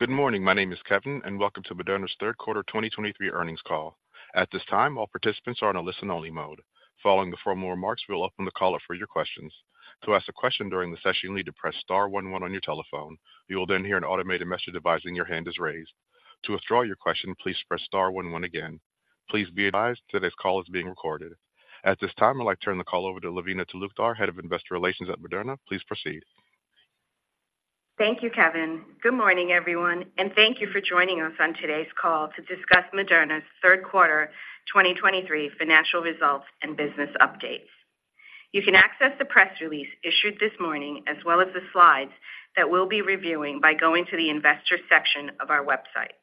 Good morning, my name is Kevin, and welcome to Moderna's third quarter 2023 earnings call. At this time, all participants are on a listen-only mode. Following the formal remarks, we'll open the call up for your questions. To ask a question during the session, you'll need to press star one one on your telephone. You will then hear an automated message advising your hand is raised. To withdraw your question, please press star one one again. Please be advised, today's call is being recorded. At this time, I'd like to turn the call over to Lavina Talukdar, Head of Investor Relations at Moderna. Please proceed. Thank you, Kevin. Good morning, everyone, and thank you for joining us on today's call to discuss Moderna's third quarter 2023 financial results and business updates. You can access the press release issued this morning, as well as the slides that we'll be reviewing by going to the investor section of our website.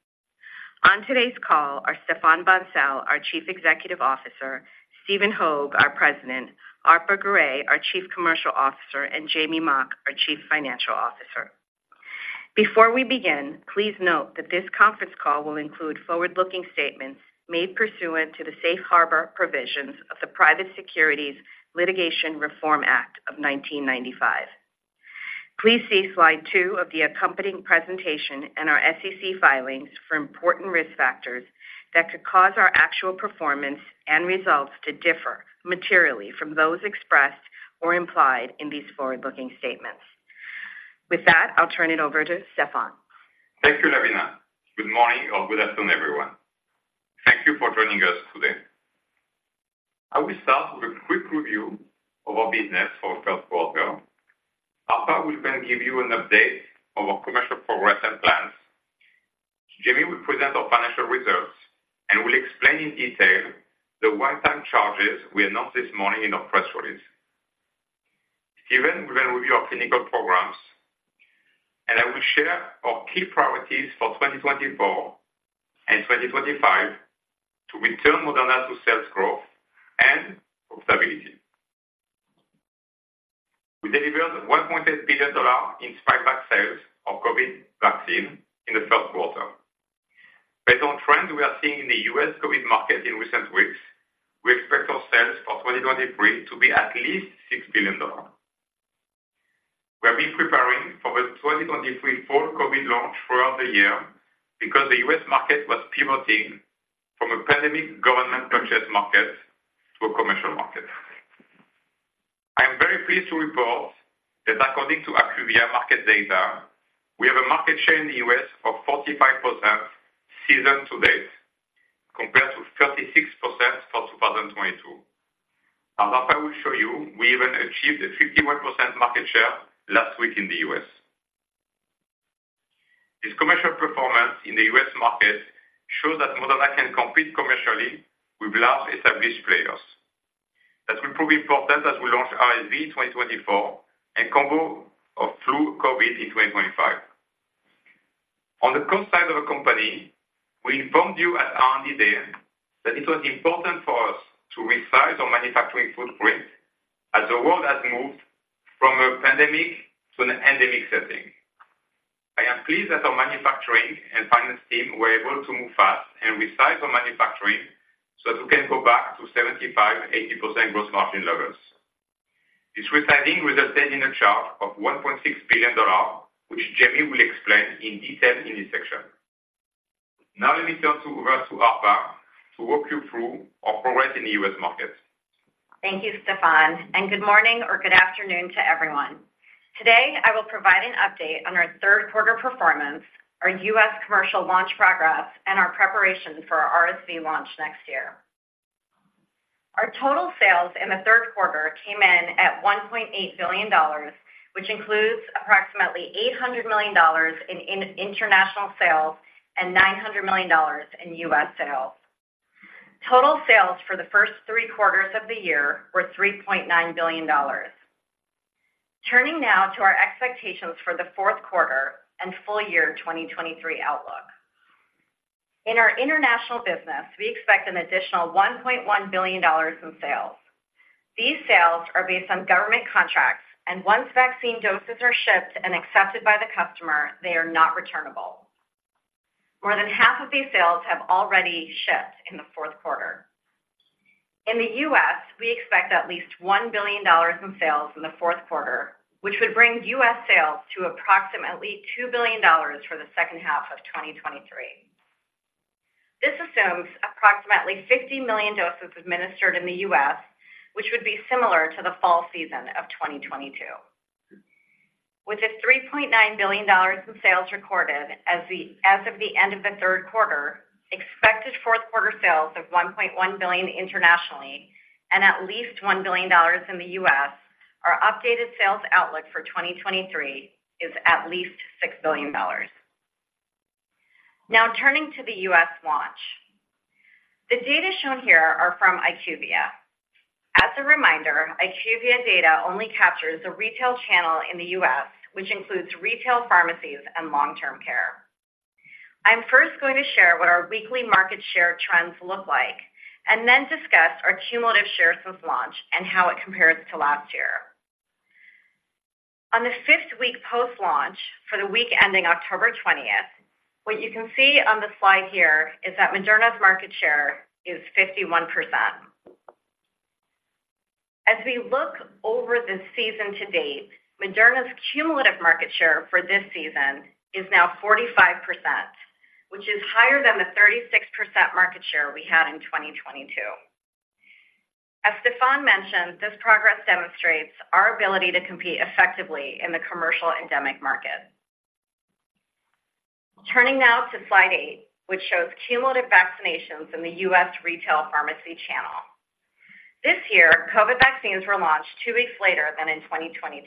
On today's call are Stéphane Bancel, our Chief Executive Officer, Stephen Hoge, our President, Arpa Garay, our Chief Commercial Officer, and Jamey Mock, our Chief Financial Officer. Before we begin, please note that this conference call will include forward-looking statements made pursuant to the Safe Harbor Provisions of the Private Securities Litigation Reform Act of 1995. Please see slide two of the accompanying presentation and our SEC filings for important risk factors that could cause our actual performance and results to differ materially from those expressed or implied in these forward-looking statements. With that, I'll turn it over to Stéphane. Thank you, Lavina. Good morning or good afternoon, everyone. Thank you for joining us today. I will start with a quick review of our business for the first quarter. Arpa will then give you an update on our commercial progress and plans. Jamey will present our financial results and will explain in detail the one-time charges we announced this morning in our press release. Stephen will then review our clinical programs, and I will share our key priorities for 2024 and 2025 to return Moderna to sales growth and profitability. We delivered $1.8 billion in Spikevax sales of COVID vaccine in the first quarter. Based on trends we are seeing in the U.S. COVID market in recent weeks, we expect our sales for 2023 to be at least $6 billion. We have been preparing for the 2023 fall COVID launch throughout the year because the U.S. market was pivoting from a pandemic government purchase market to a commercial market. I am very pleased to report that according to IQVIA market data, we have a market share in the U.S. of 45% season to date, compared to 36% for 2022. As Arpa will show you, we even achieved a 51% market share last week in the U.S. This commercial performance in the U.S. market shows that Moderna can compete commercially with large established players. That will prove important as we launch RSV 2024 and combo of flu COVID in 2025.H On the cost side of the company, we informed you at R&D Day that it was important for us to resize our manufacturing footprint as the world has moved from a pandemic to an endemic setting. I am pleased that our manufacturing and finance team were able to move fast and resize our manufacturing so that we can go back to 75%-80% gross margin levels. This resizing resulted in a charge of $1.6 billion, which Jamey will explain in detail in this section. Now, let me turn it over to Arpa to walk you through our progress in the U.S. market. Thank you, Stéphane, and good morning or good afternoon to everyone. Today, I will provide an update on our third quarter performance, our U.S. commercial launch progress, and our preparation for our RSV launch next year. Our total sales in the third quarter came in at $1.8 billion, which includes approximately $800 million in international sales and $900 million in U.S. sales. Total sales for the first three quarters of the year were $3.9 billion. Turning now to our expectations for the fourth quarter and full year 2023 outlook. In our international business, we expect an additional $1.1 billion in sales. These sales are based on government contracts, and once vaccine doses are shipped and accepted by the customer, they are not returnable. More than half of these sales have already shipped in the fourth quarter. In the U.S., we expect at least $1 billion in sales in the fourth quarter, which would bring U.S. sales to approximately $2 billion for the second half of 2023. This assumes approximately 50 million doses administered in the U.S., which would be similar to the fall season of 2022. With the $3.9 billion in sales recorded as of the end of the third quarter, expected fourth quarter sales of $1.1 billion internationally and at least $1 billion in the U.S., our updated sales outlook for 2023 is at least $6 billion. Now, turning to the U.S. launch. The data shown here are from IQVIA. As a reminder, IQVIA data only captures the retail channel in the U.S., which includes retail pharmacies and long-term care. I'm first going to share what our weekly market share trends look like, and then discuss our cumulative shares since launch and how it compares to last year. On the fifth week post-launch, for the week ending October twentieth, what you can see on the slide here is that Moderna's market share is 51%. As we look over the season to date, Moderna's cumulative market share for this season is now 45%, which is higher than the 36% market share we had in 2022. As Stéphane mentioned, this progress demonstrates our ability to compete effectively in the commercial endemic market. Turning now to slide 8, which shows cumulative vaccinations in the U.S. retail pharmacy channel. This year, COVID vaccines were launched 2 weeks later than in 2022.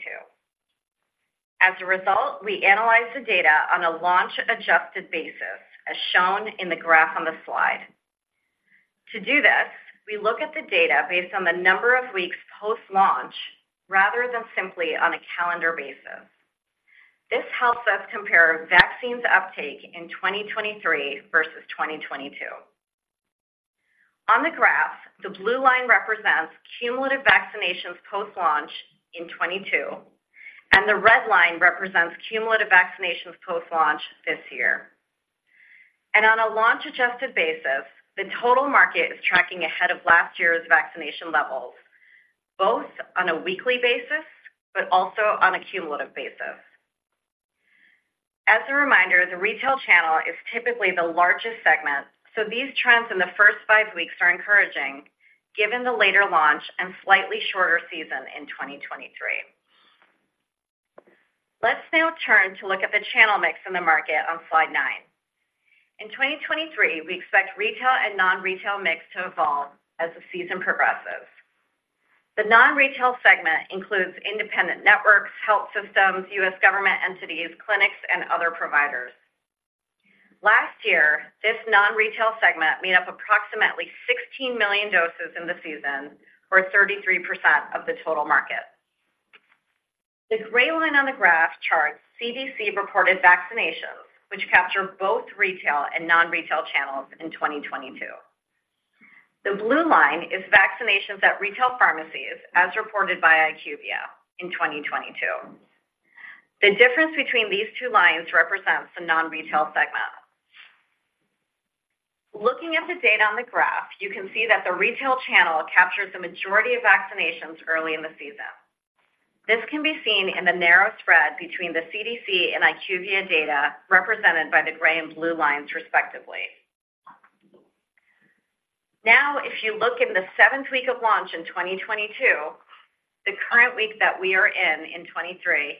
As a result, we analyzed the data on a launch-adjusted basis, as shown in the graph on the slide. To do this, we look at the data based on the number of weeks post-launch, rather than simply on a calendar basis. This helps us compare vaccines uptake in 2023 versus 2022. On the graph, the blue line represents cumulative vaccinations post-launch in 2022, and the red line represents cumulative vaccinations post-launch this year. On a launch-adjusted basis, the total market is tracking ahead of last year's vaccination levels, both on a weekly basis but also on a cumulative basis. As a reminder, the retail channel is typically the largest segment, so these trends in the first 5 weeks are encouraging, given the later launch and slightly shorter season in 2023. Let's now turn to look at the channel mix in the market on slide nine. In 2023, we expect retail and non-retail mix to evolve as the season progresses. The non-retail segment includes independent networks, health systems, U.S. government entities, clinics, and other providers. Last year, this non-retail segment made up approximately 16 million doses in the season, or 33% of the total market. The gray line on the graph charts CDC-reported vaccinations, which capture both retail and non-retail channels in 2022. The blue line is vaccinations at retail pharmacies, as reported by IQVIA in 2022. The difference between these two lines represents the non-retail segment. Looking at the data on the graph, you can see that the retail channel captures the majority of vaccinations early in the season. This can be seen in the narrow spread between the CDC and IQVIA data, represented by the gray and blue lines, respectively. Now, if you look in the 7th week of launch in 2022, the current week that we are in, in 2023,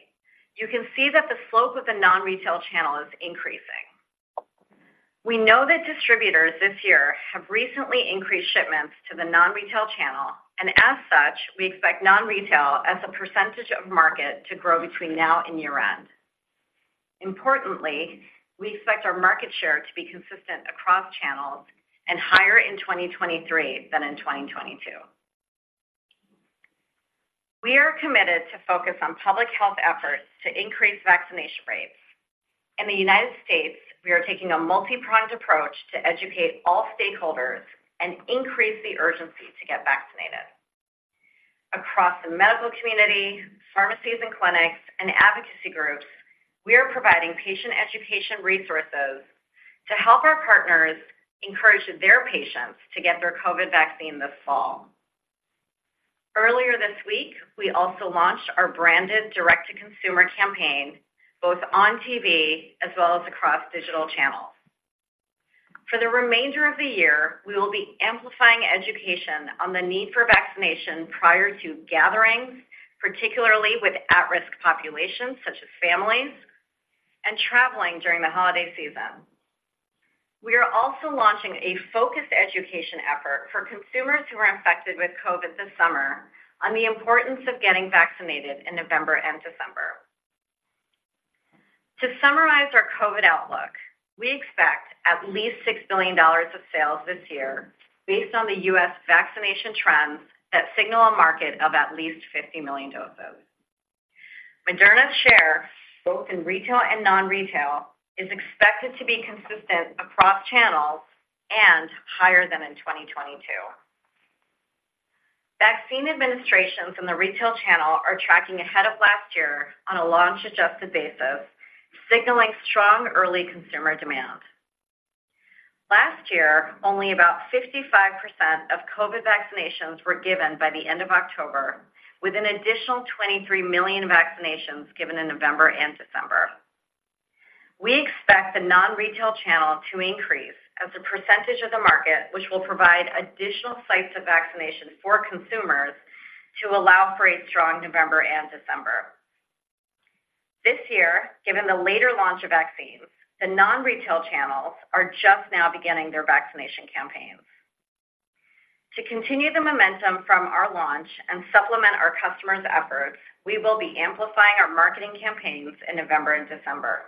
you can see that the slope of the non-retail channel is increasing. We know that distributors this year have recently increased shipments to the non-retail channel, and as such, we expect non-retail as a percentage of market to grow between now and year-end. Importantly, we expect our market share to be consistent across channels and higher in 2023 than in 2022. We are committed to focus on public health efforts to increase vaccination rates. In the United States, we are taking a multi-pronged approach to educate all stakeholders and increase the urgency to get vaccinated. Across the medical community, pharmacies and clinics, and advocacy groups, we are providing patient education resources to help our partners encourage their patients to get their COVID vaccine this fall. Earlier this week, we also launched our branded direct-to-consumer campaign, both on TV as well as across digital channels. For the remainder of the year, we will be amplifying education on the need for vaccination prior to gatherings, particularly with at-risk populations such as families, and traveling during the holiday season. We are also launching a focused education effort for consumers who are infected with COVID this summer on the importance of getting vaccinated in November and December. To summarize our COVID outlook, we expect at least $6 billion of sales this year based on the U.S. vaccination trends that signal a market of at least 50 million doses. Moderna's share, both in retail and non-retail, is expected to be consistent across channels and higher than in 2022. Vaccine administrations in the retail channel are tracking ahead of last year on a launch-adjusted basis, signaling strong early consumer demand. Last year, only about 55% of COVID vaccinations were given by the end of October, with an additional 23 million vaccinations given in November and December. We expect the non-retail channel to increase as a percentage of the market, which will provide additional sites of vaccination for consumers to allow for a strong November and December. This year, given the later launch of vaccines, the non-retail channels are just now beginning their vaccination campaigns. To continue the momentum from our launch and supplement our customers' efforts, we will be amplifying our marketing campaigns in November and December.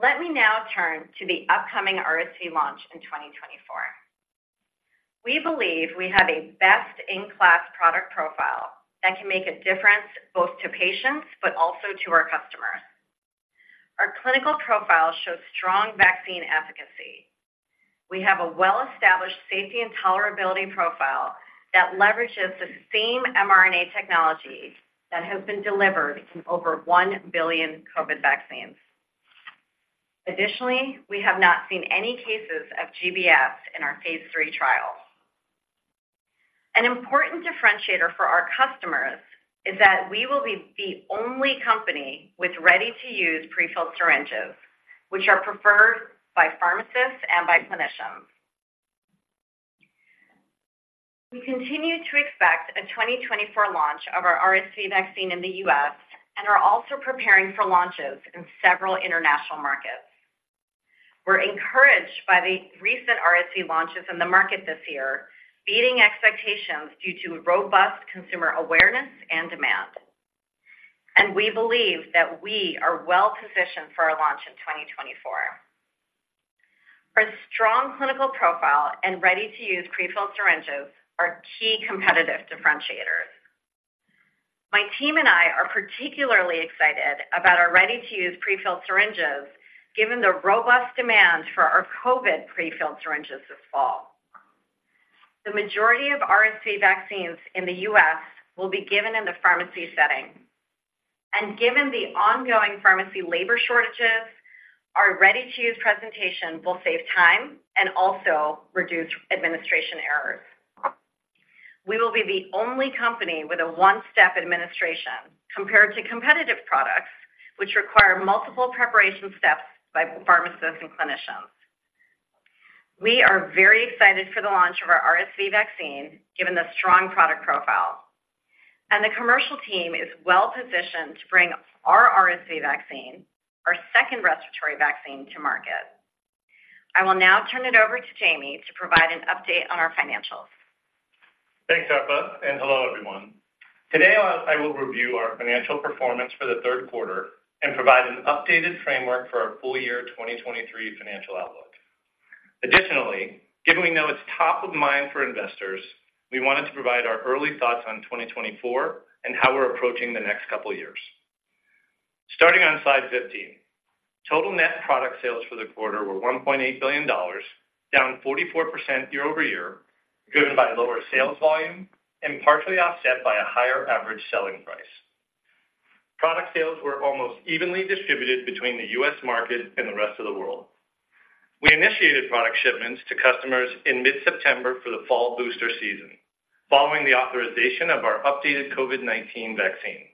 Let me now turn to the upcoming RSV launch in 2024. We believe we have a best-in-class product profile that can make a difference both to patients but also to our customers. Our clinical profile shows strong vaccine efficacy. We have a well-established safety and tolerability profile that leverages the same mRNA technology that has been delivered in over 1 billion COVID vaccines. Additionally, we have not seen any cases of GBS in our phase III trial. An important differentiator for our customers is that we will be the only company with ready-to-use prefilled syringes, which are preferred by pharmacists and by clinicians. We continue to expect a 2024 launch of our RSV vaccine in the U.S. and are also preparing for launches in several international markets. We're encouraged by the recent RSV launches in the market this year, beating expectations due to robust consumer awareness and demand. We believe that we are well-positioned for our launch in 2024. Our strong clinical profile and ready-to-use prefilled syringes are key competitive differentiators. My team and I are particularly excited about our ready-to-use prefilled syringes, given the robust demand for our COVID prefilled syringes this fall. The majority of RSV vaccines in the U.S. will be given in the pharmacy setting, and given the ongoing pharmacy labor shortages, our ready-to-use presentation will save time and also reduce administration errors. We will be the only company with a one-step administration, compared to competitive products, which require multiple preparation steps by pharmacists and clinicians. We are very excited for the launch of our RSV vaccine, given the strong product profile. The commercial team is well-positioned to bring our RSV vaccine, our second respiratory vaccine, to market. I will now turn it over to Jamey to provide an update on our financials. Thanks, Arpa, and hello, everyone. Today, I will review our financial performance for the third quarter and provide an updated framework for our full year 2023 financial outlook. Additionally, given we know it's top of mind for investors, we wanted to provide our early thoughts on 2024 and how we're approaching the next couple of years. Starting on slide 15, total net product sales for the quarter were $1.8 billion, down 44% year-over-year, driven by lower sales volume and partially offset by a higher average selling price. Product sales were almost evenly distributed between the U.S. market and the rest of the world. We initiated product shipments to customers in mid-September for the fall booster season, following the authorization of our updated COVID-19 vaccine.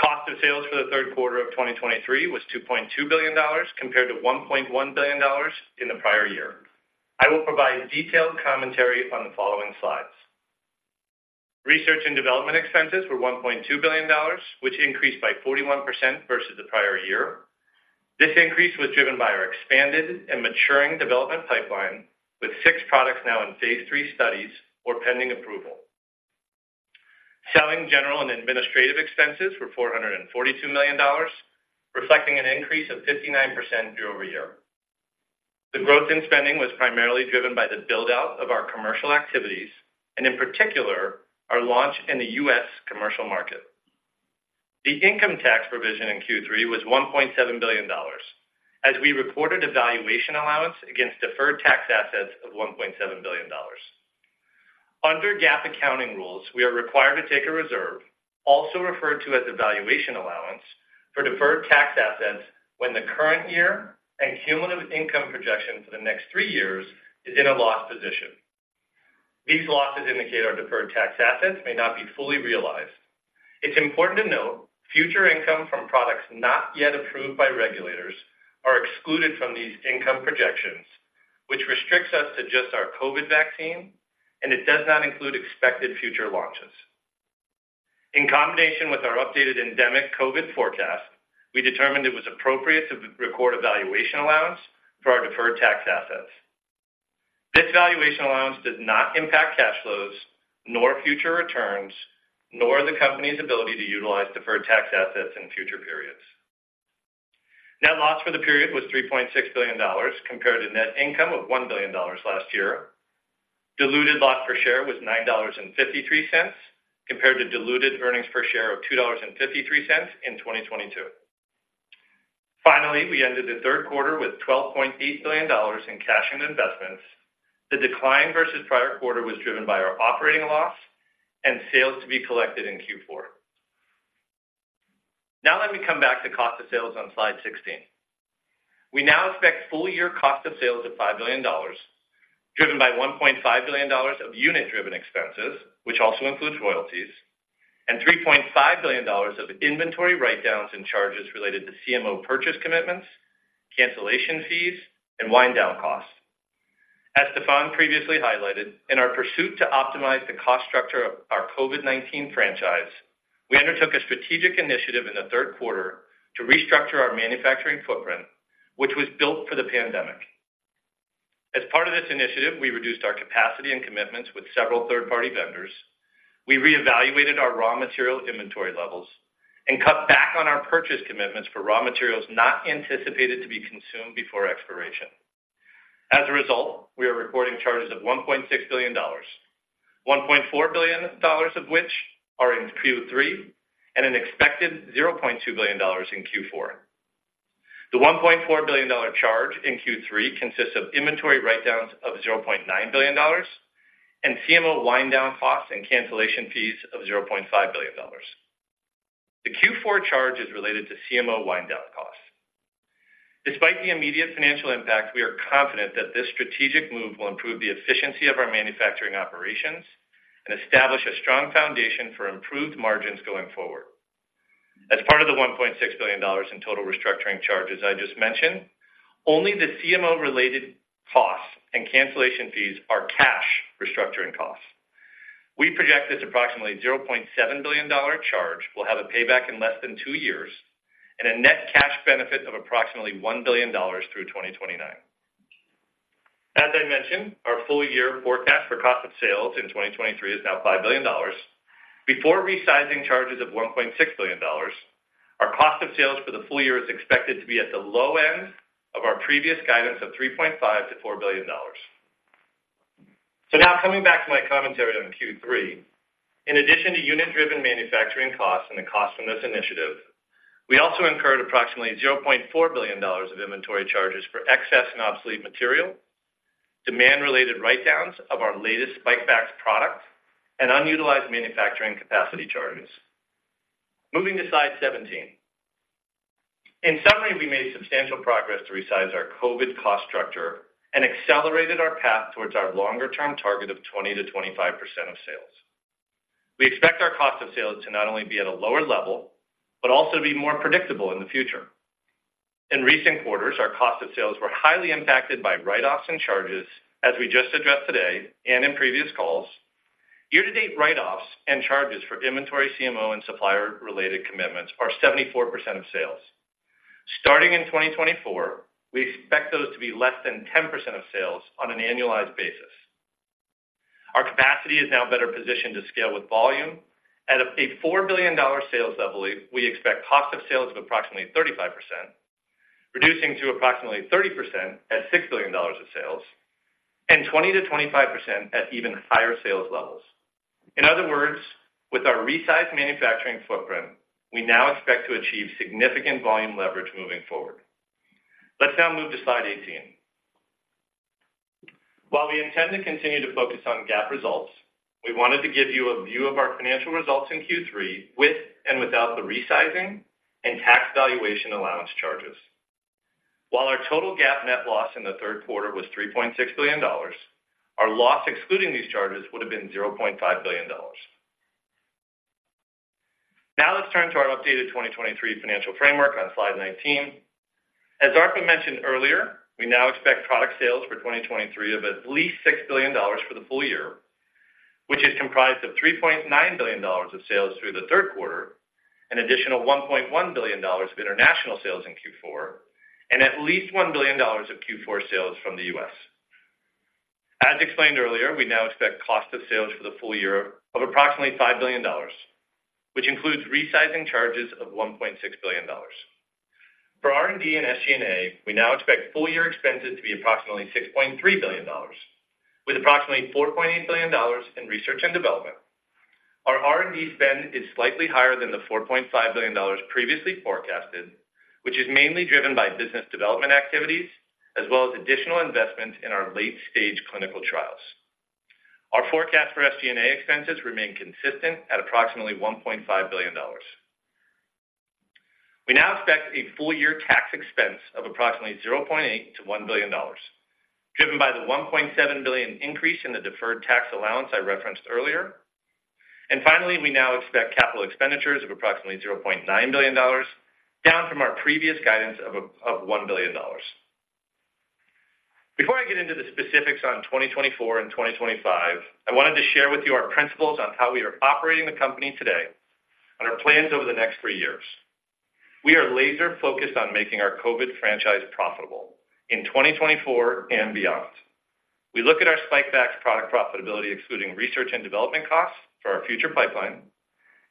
Cost of sales for the third quarter of 2023 was $2.2 billion, compared to $1.1 billion in the prior year. I will provide detailed commentary on the following slides. Research and development expenses were $1.2 billion, which increased by 41% versus the prior year. This increase was driven by our expanded and maturing development pipeline, with six products now in phase III studies or pending approval. Selling, general, and administrative expenses were $442 million, reflecting an increase of 59% year-over-year. The growth in spending was primarily driven by the build-out of our commercial activities, and in particular, our launch in the U.S. commercial market. The income tax provision in Q3 was $1.7 billion. As we reported, a valuation allowance against deferred tax assets of $1.7 billion. Under GAAP accounting rules, we are required to take a reserve, also referred to as a valuation allowance, for deferred tax assets when the current year and cumulative income projection for the next three years is in a loss position. These losses indicate our deferred tax assets may not be fully realized. It's important to note, future income from products not yet approved by regulators are excluded from these income projections, which restricts us to just our COVID vaccine, and it does not include expected future launches. In combination with our updated endemic COVID forecast, we determined it was appropriate to record a valuation allowance for our deferred tax assets. This valuation allowance does not impact cash flows, nor future returns, nor the company's ability to utilize deferred tax assets in future periods. Net loss for the period was $3.6 billion, compared to net income of $1 billion last year. Diluted loss per share was $9.53, compared to diluted earnings per share of $2.53 in 2022. Finally, we ended the third quarter with $12.8 billion in cash and investments. The decline versus prior quarter was driven by our operating loss and sales to be collected in Q4. Now let me come back to cost of sales on slide 16. We now expect full year cost of sales of $5 billion, driven by $1.5 billion of unit-driven expenses, which also includes royalties, and $3.5 billion of inventory write-downs and charges related to CMO purchase commitments, cancellation fees, and wind down costs. As Stéphane previously highlighted, in our pursuit to optimize the cost structure of our COVID-19 franchise, we undertook a strategic initiative in the third quarter to restructure our manufacturing footprint, which was built for the pandemic. As part of this initiative, we reduced our capacity and commitments with several third-party vendors. We reevaluated our raw material inventory levels and cut back on our purchase commitments for raw materials not anticipated to be consumed before expiration. As a result, we are recording charges of $1.6 billion, $1.4 billion of which are in Q3, and an expected $0.2 billion in Q4. The $1.4 billion charge in Q3 consists of inventory write-downs of $0.9 billion and CMO wind down costs and cancellation fees of $0.5 billion. The Q4 charge is related to CMO wind down costs. Despite the immediate financial impact, we are confident that this strategic move will improve the efficiency of our manufacturing operations and establish a strong foundation for improved margins going forward. As part of the $1.6 billion in total restructuring charges I just mentioned, only the CMO-related costs and cancellation fees are cash restructuring costs. We project this approximately $0.7 billion charge will have a payback in less than two years and a net cash benefit of approximately $1 billion through 2029. As I mentioned, our full year forecast for cost of sales in 2023 is now $5 billion. Before resizing charges of $1.6 billion, our cost of sales for the full year is expected to be at the low end of our previous guidance of $3.5 billion-$4 billion. So now coming back to my commentary on Q3. In addition to unit-driven manufacturing costs and the cost from this initiative, we also incurred approximately $0.4 billion of inventory charges for excess and obsolete material, demand-related write-downs of our latest Spikevax product, and unutilized manufacturing capacity charges. Moving to slide 17. In summary, we made substantial progress to resize our COVID cost structure and accelerated our path towards our longer-term target of 20%-25% of sales. We expect our cost of sales to not only be at a lower level, but also be more predictable in the future. In recent quarters, our cost of sales were highly impacted by write-offs and charges, as we just addressed today, and in previous calls. Year-to-date write-offs and charges for inventory CMO and supplier-related commitments are 74% of sales. Starting in 2024, we expect those to be less than 10% of sales on an annualized basis. Our capacity is now better positioned to scale with volume. At a $4 billion sales level, we expect cost of sales of approximately 35%, reducing to approximately 30% at $6 billion of sales, and 20%-25% at even higher sales levels. In other words, with our resized manufacturing footprint, we now expect to achieve significant volume leverage moving forward. Let's now move to slide 18. While we intend to continue to focus on GAAP results, we wanted to give you a view of our financial results in Q3 with and without the resizing and tax valuation allowance charges. While our total GAAP net loss in the third quarter was $3.6 billion, our loss excluding these charges would have been $0.5 billion. Now, let's turn to our updated 2023 financial framework on slide 19. As Arpa mentioned earlier, we now expect product sales for 2023 of at least $6 billion for the full year, which is comprised of $3.9 billion of sales through the third quarter, an additional $1.1 billion of international sales in Q4, and at least $1 billion of Q4 sales from the U.S.. As explained earlier, we now expect cost of sales for the full year of approximately $5 billion, which includes resizing charges of $1.6 billion. For R&D and SG&A, we now expect full year expenses to be approximately $6.3 billion, with approximately $4.8 billion in research and development. Our R&D spend is slightly higher than the $4.5 billion previously forecasted, which is mainly driven by business development activities, as well as additional investments in our late-stage clinical trials. Our forecast for SG&A expenses remain consistent at approximately $1.5 billion. We now expect a full year tax expense of approximately $0.8 billion-$1 billion, driven by the $1.7 billion increase in the deferred tax allowance I referenced earlier. Finally, we now expect capital expenditures of approximately $0.9 billion, down from our previous guidance of one billion dollars. Before I get into the specifics on 2024 and 2025, I wanted to share with you our principles on how we are operating the company today and our plans over the next three years. We are laser focused on making our COVID franchise profitable in 2024 and beyond. We look at our Spikevax product profitability, excluding research and development costs for our future pipeline,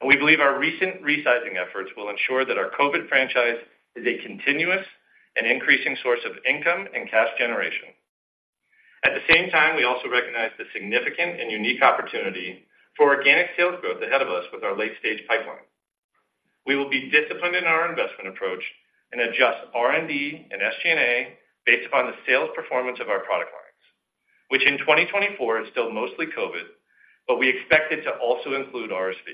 and we believe our recent resizing efforts will ensure that our COVID franchise is a continuous and increasing source of income and cash generation. At the same time, we also recognize the significant and unique opportunity for organic sales growth ahead of us with our late-stage pipeline. We will be disciplined in our investment approach and adjust R&D and SG&A based upon the sales performance of our product lines, which in 2024 is still mostly COVID, but we expect it to also include RSV.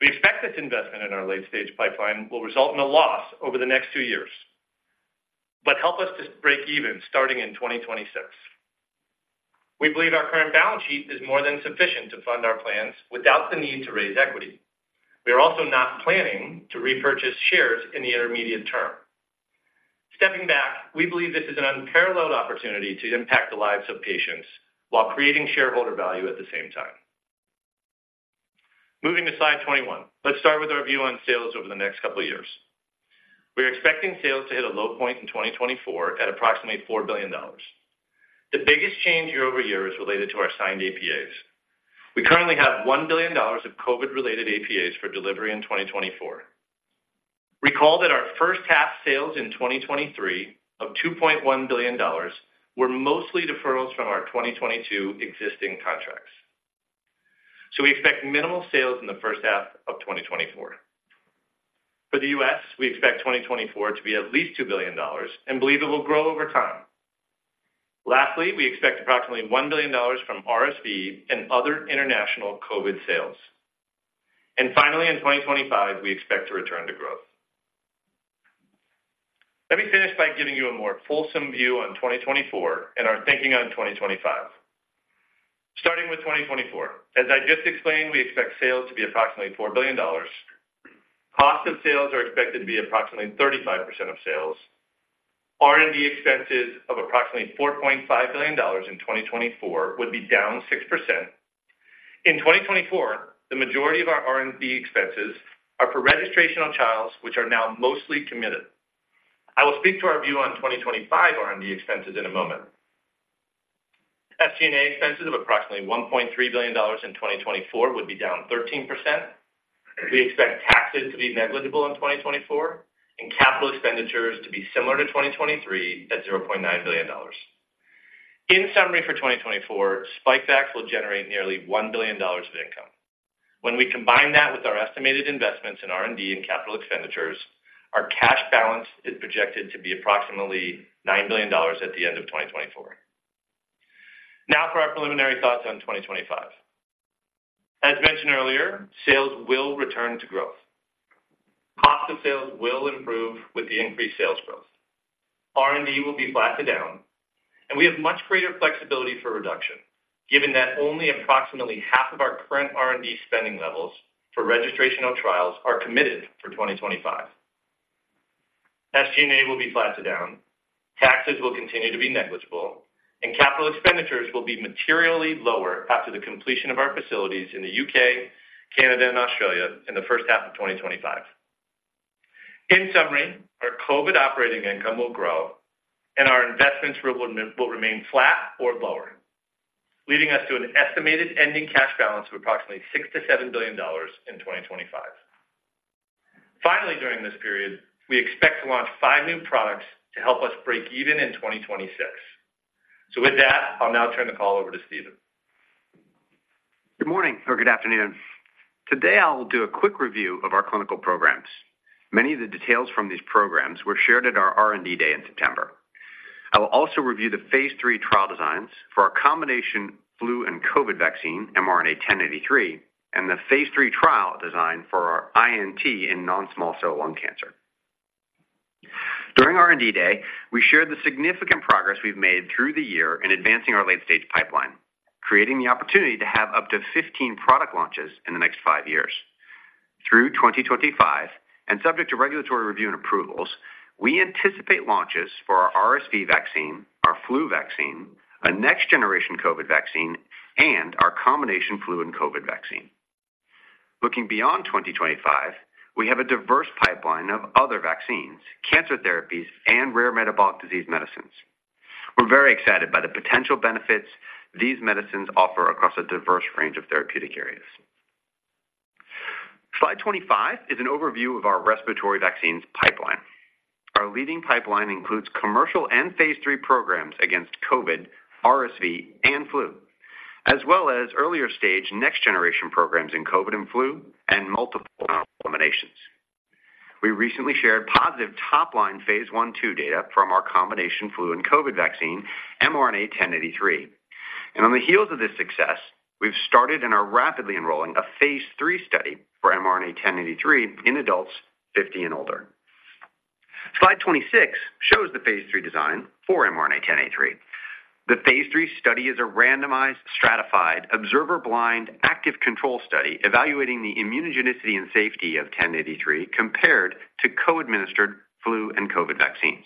We expect this investment in our late-stage pipeline will result in a loss over the next two years, but help us to break even starting in 2026. We believe our current balance sheet is more than sufficient to fund our plans without the need to raise equity. We are also not planning to repurchase shares in the intermediate term. Stepping back, we believe this is an unparalleled opportunity to impact the lives of patients while creating shareholder value at the same time. Moving to slide 21. Let's start with our view on sales over the next couple of years. We are expecting sales to hit a low point in 2024 at approximately $4 billion. The biggest change year-over-year is related to our signed APAs. We currently have $1 billion of COVID-related APAs for delivery in 2024. Recall that our first half sales in 2023 of $2.1 billion were mostly deferrals from our 2022 existing contracts. So we expect minimal sales in the first half of 2024. For the U.S., we expect 2024 to be at least $2 billion and believe it will grow over time. Lastly, we expect approximately $1 billion from RSV and other international COVID sales. And finally, in 2025, we expect to return to growth. Let me finish by giving you a more fulsome view on 2024 and our thinking on 2025. Starting with 2024, as I just explained, we expect sales to be approximately $4 billion. Cost of sales are expected to be approximately 35% of sales. R&D expenses of approximately $4.5 billion in 2024 would be down 6%. In 2024, the majority of our R&D expenses are for registrational trials, which are now mostly committed. I will speak to our view on 2025 R&D expenses in a moment. SG&A expenses of approximately $1 billion in 2024 would be down 13%. We expect taxes to be negligible in 2024, and capital expenditures to be similar to 2023 at $0.9 billion. In summary, for 2024, Spikevax will generate nearly $1 billion of income. When we combine that with our estimated investments in R&D and capital expenditures, our cash balance is projected to be approximately $9 billion at the end of 2024. Now, for our preliminary thoughts on 2025. As mentioned earlier, sales will return to growth. Cost of sales will improve with the increased sales growth. R&D will be flat to down, and we have much greater flexibility for reduction, given that only approximately half of our current R&D spending levels for registrational trials are committed for 2025. SG&A will be flat to down, taxes will continue to be negligible, and capital expenditures will be materially lower after the completion of our facilities in the U.K., Canada, and Australia in the first half of 2025. In summary, our COVID operating income will grow, and our investments will remain flat or lower, leading us to an estimated ending cash balance of approximately $6 billion-$7 billion in 2025. Finally, during this period, we expect to launch five new products to help us break even in 2026. With that, I'll now turn the call over to Stephen. Good morning or good afternoon. Today, I will do a quick review of our clinical programs. Many of the details from these programs were shared at our R&D Day in September. I will also review the phase III trial designs for our combination flu and COVID vaccine, mRNA-1083, and the phase III trial design for our INT in non-small cell lung cancer. During R&D Day, we shared the significant progress we've made through the year in advancing our late-stage pipeline, creating the opportunity to have up to 15 product launches in the next five years. Through 2025, and subject to regulatory review and approvals, we anticipate launches for our RSV vaccine, our flu vaccine, a next-generation COVID vaccine, and our combination flu and COVID vaccine. Looking beyond 2025, we have a diverse pipeline of other vaccines, cancer therapies, and rare metabolic disease medicines. We're very excited by the potential benefits these medicines offer across a diverse range of therapeutic areas. Slide 25 is an overview of our respiratory vaccines pipeline. Our leading pipeline includes commercial and phase III programs against COVID, RSV, and flu, as well as earlier-stage next-generation programs in COVID and flu, and multiple combinations. We recently shared positive top-line phase I/II data from our combination flu and COVID vaccine, mRNA-1083, and on the heels of this success, we've started and are rapidly enrolling a phase III study for mRNA-1083 in adults 50 and older. Slide 26 shows the phase III design for mRNA-1083. The phase III study is a randomized, stratified, observer-blind, active control study evaluating the immunogenicity and safety of 1083 compared to co-administered flu and COVID vaccines.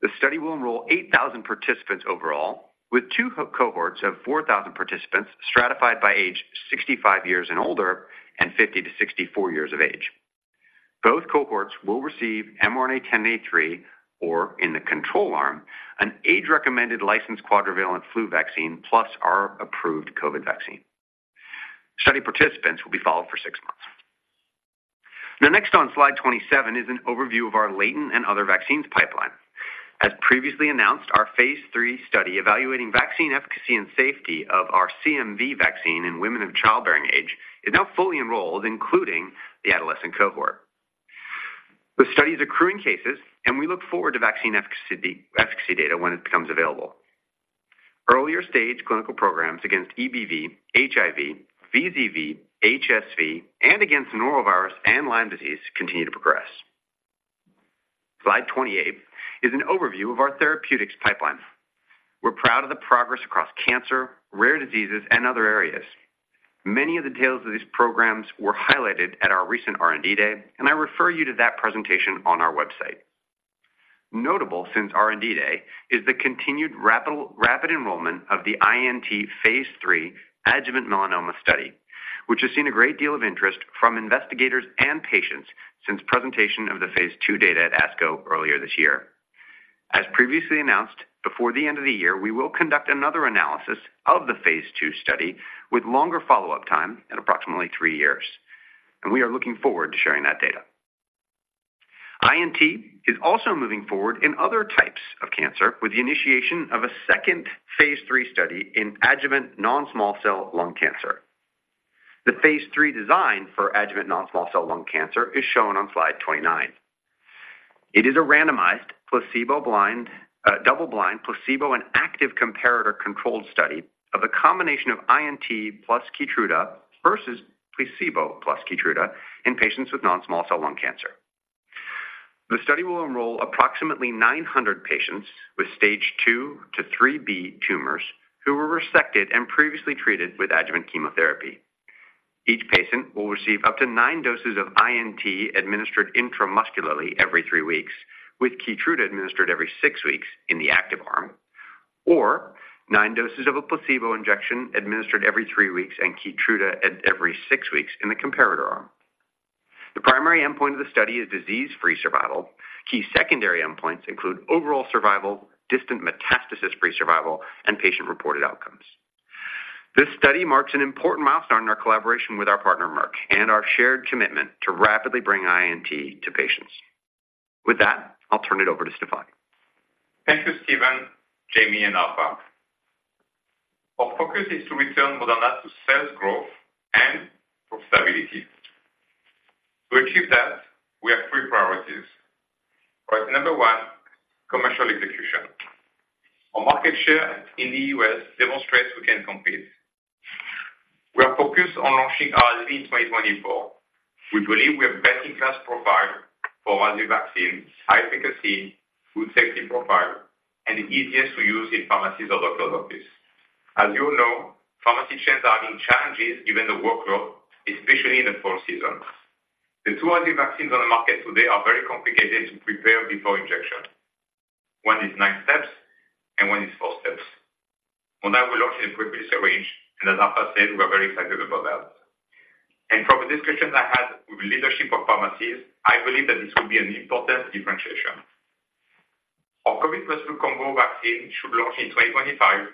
The study will enroll 8,000 participants overall, with two cohorts of 4,000 participants stratified by age 65 years and older and 50-64 years of age. Both cohorts will receive mRNA-1083, or in the control arm, an age-recommended licensed quadrivalent flu vaccine, plus our approved COVID vaccine. Study participants will be followed for 6 months. Now, next on slide 27 is an overview of our latent and other vaccines pipeline. As previously announced, our phase III study evaluating vaccine efficacy and safety of our CMV vaccine in women of childbearing age is now fully enrolled, including the adolescent cohort. The study is accruing cases, and we look forward to vaccine efficacy, efficacy data when it becomes available. Earlier-stage clinical programs against EBV, HIV, VZV, HSV, and against Norovirus and Lyme disease continue to progress. Slide 28 is an overview of our therapeutics pipeline. We're proud of the progress across cancer, rare diseases, and other areas. Many of the details of these programs were highlighted at our recent R&D Day, and I refer you to that presentation on our website. Notable since R&D Day is the continued rapid enrollment of the INT phase III adjuvant melanoma study, which has seen a great deal of interest from investigators and patients since presentation of the phase II data at ASCO earlier this year. As previously announced, before the end of the year, we will conduct another analysis of the phase II study with longer follow-up time at approximately three years, and we are looking forward to sharing that data. INT is also moving forward in other types of cancer, with the initiation of a second phase III study in adjuvant non-small cell lung cancer. The phase III design for adjuvant non-small cell lung cancer is shown on slide 29. It is a randomized, placebo-blind, double-blind, placebo, and active comparator-controlled study of a combination of INT plus Keytruda versus placebo plus Keytruda in patients with non-small cell lung cancer. The study will enroll approximately 900 patients with stage 2-3B tumors who were resected and previously treated with adjuvant chemotherapy. Each patient will receive up to 9 doses of INT administered intramuscularly every 3 weeks, with Keytruda administered every 6 weeks in the active arm, or 9 doses of a placebo injection administered every 3 weeks and Keytruda at every 6 weeks in the comparator arm. The primary endpoint of the study is disease-free survival. Key secondary endpoints include overall survival, distant metastasis-free survival, and patient-reported outcomes. This study marks an important milestone in our collaboration with our partner, Merck, and our shared commitment to rapidly bring INT to patients. With that, I'll turn it over to Stéphane. Thank you, Stephen, Jamey, and Arpa. Our focus is to return Moderna to sales growth and profitability. To achieve that, we have three priorities. Priority number one, commercial execution. Our market share in the U.S. demonstrates we can compete. We are focused on launching RSV in 2024. We believe we have best-in-class profile for RSV vaccine, high efficacy, good safety profile, and the easiest to use in pharmacies or local office. As you know, pharmacy chains are having challenges, given the workload, especially in the fall season. The two RSV vaccines on the market today are very complicated to prepare before injection. One is nine steps, and one is four steps. Moderna will launch in a quick and easy range, and as Arpa said, we are very excited about that. From the discussions I had with the leadership of pharmacies, I believe that this will be an important differentiation. Our COVID plus flu combo vaccine should launch in 2025,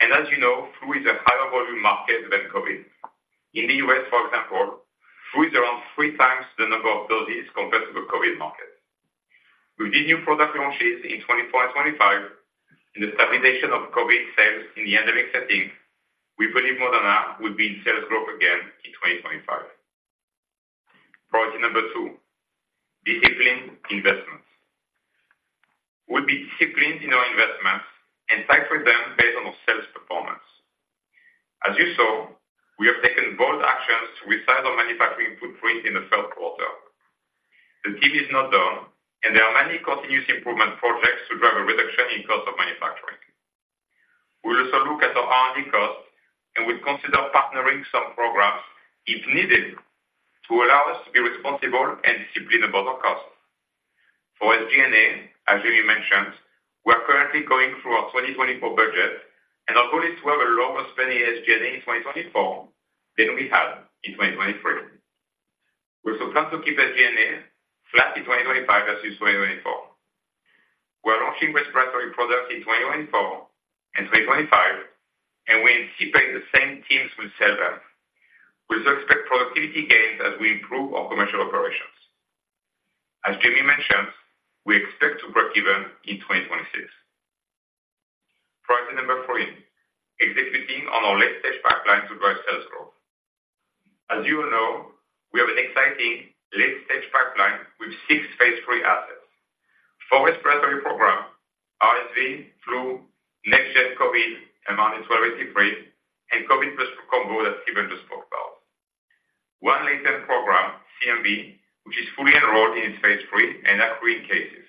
and as you know, flu is a higher volume market than COVID. In the U.S., for example, flu is around 3 times the number of doses compared to the COVID market. With these new product launches in 2024 and 2025, and the stabilization of COVID sales in the endemic setting, we believe Moderna will be in sales growth again in 2025. Priority number 2, disciplined investment. We'll be disciplined in our investments and factor them based on our sales performance. As you saw, we have taken bold actions to resize our manufacturing footprint in the third quarter. The team is not done, and there are many continuous improvement projects to drive a reduction in cost of manufacturing. We'll also look at our R&D costs, and we'll consider partnering some programs if needed, to allow us to be responsible and disciplined about our costs. For SG&A, as Jamey mentioned, we are currently going through our 2024 budget, and our goal is to have a lower spending SG&A in 2024 than we had in 2023. We also plan to keep SG&A flat in 2025 versus 2024. We are launching respiratory products in 2024 and 2025, and we anticipate the same teams will sell them. We also expect productivity gains as we improve our commercial operations. As Jamey mentioned, we expect to break even in 2026. Priority number three, executing on our late-stage pipeline to drive sales growth. As you all know, we have an exciting late-stage pipeline with six phase III assets. Four respiratory program, RSV, flu, next-gen COVID, mRNA-1283, and COVID plus flu combo that Stephen just spoke about. One late-term program, CMV, which is fully enrolled in its phase III and accruing cases.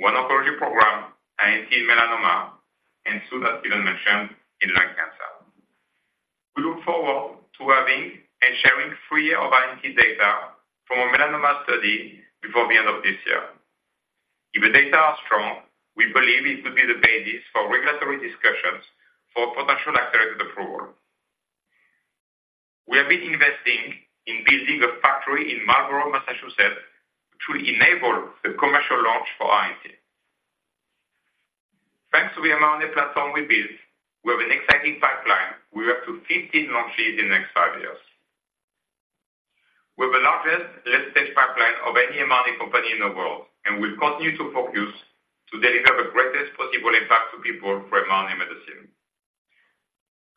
One oncology program, INT melanoma, and two, as Stephen mentioned, in lung cancer. We look forward to having and sharing three of our INT data from a melanoma study before the end of this year. If the data are strong, we believe it will be the basis for regulatory discussions for potential accelerated approval. We have been investing in building a factory in Marlborough, Massachusetts, which will enable the commercial launch for INT. Thanks to the mRNA platform we built, we have an exciting pipeline. We have up to 15 launches in the next 5 years. We have the largest late-stage pipeline of any mRNA company in the world, and we'll continue to focus to deliver the greatest possible impact to people for mRNA medicine.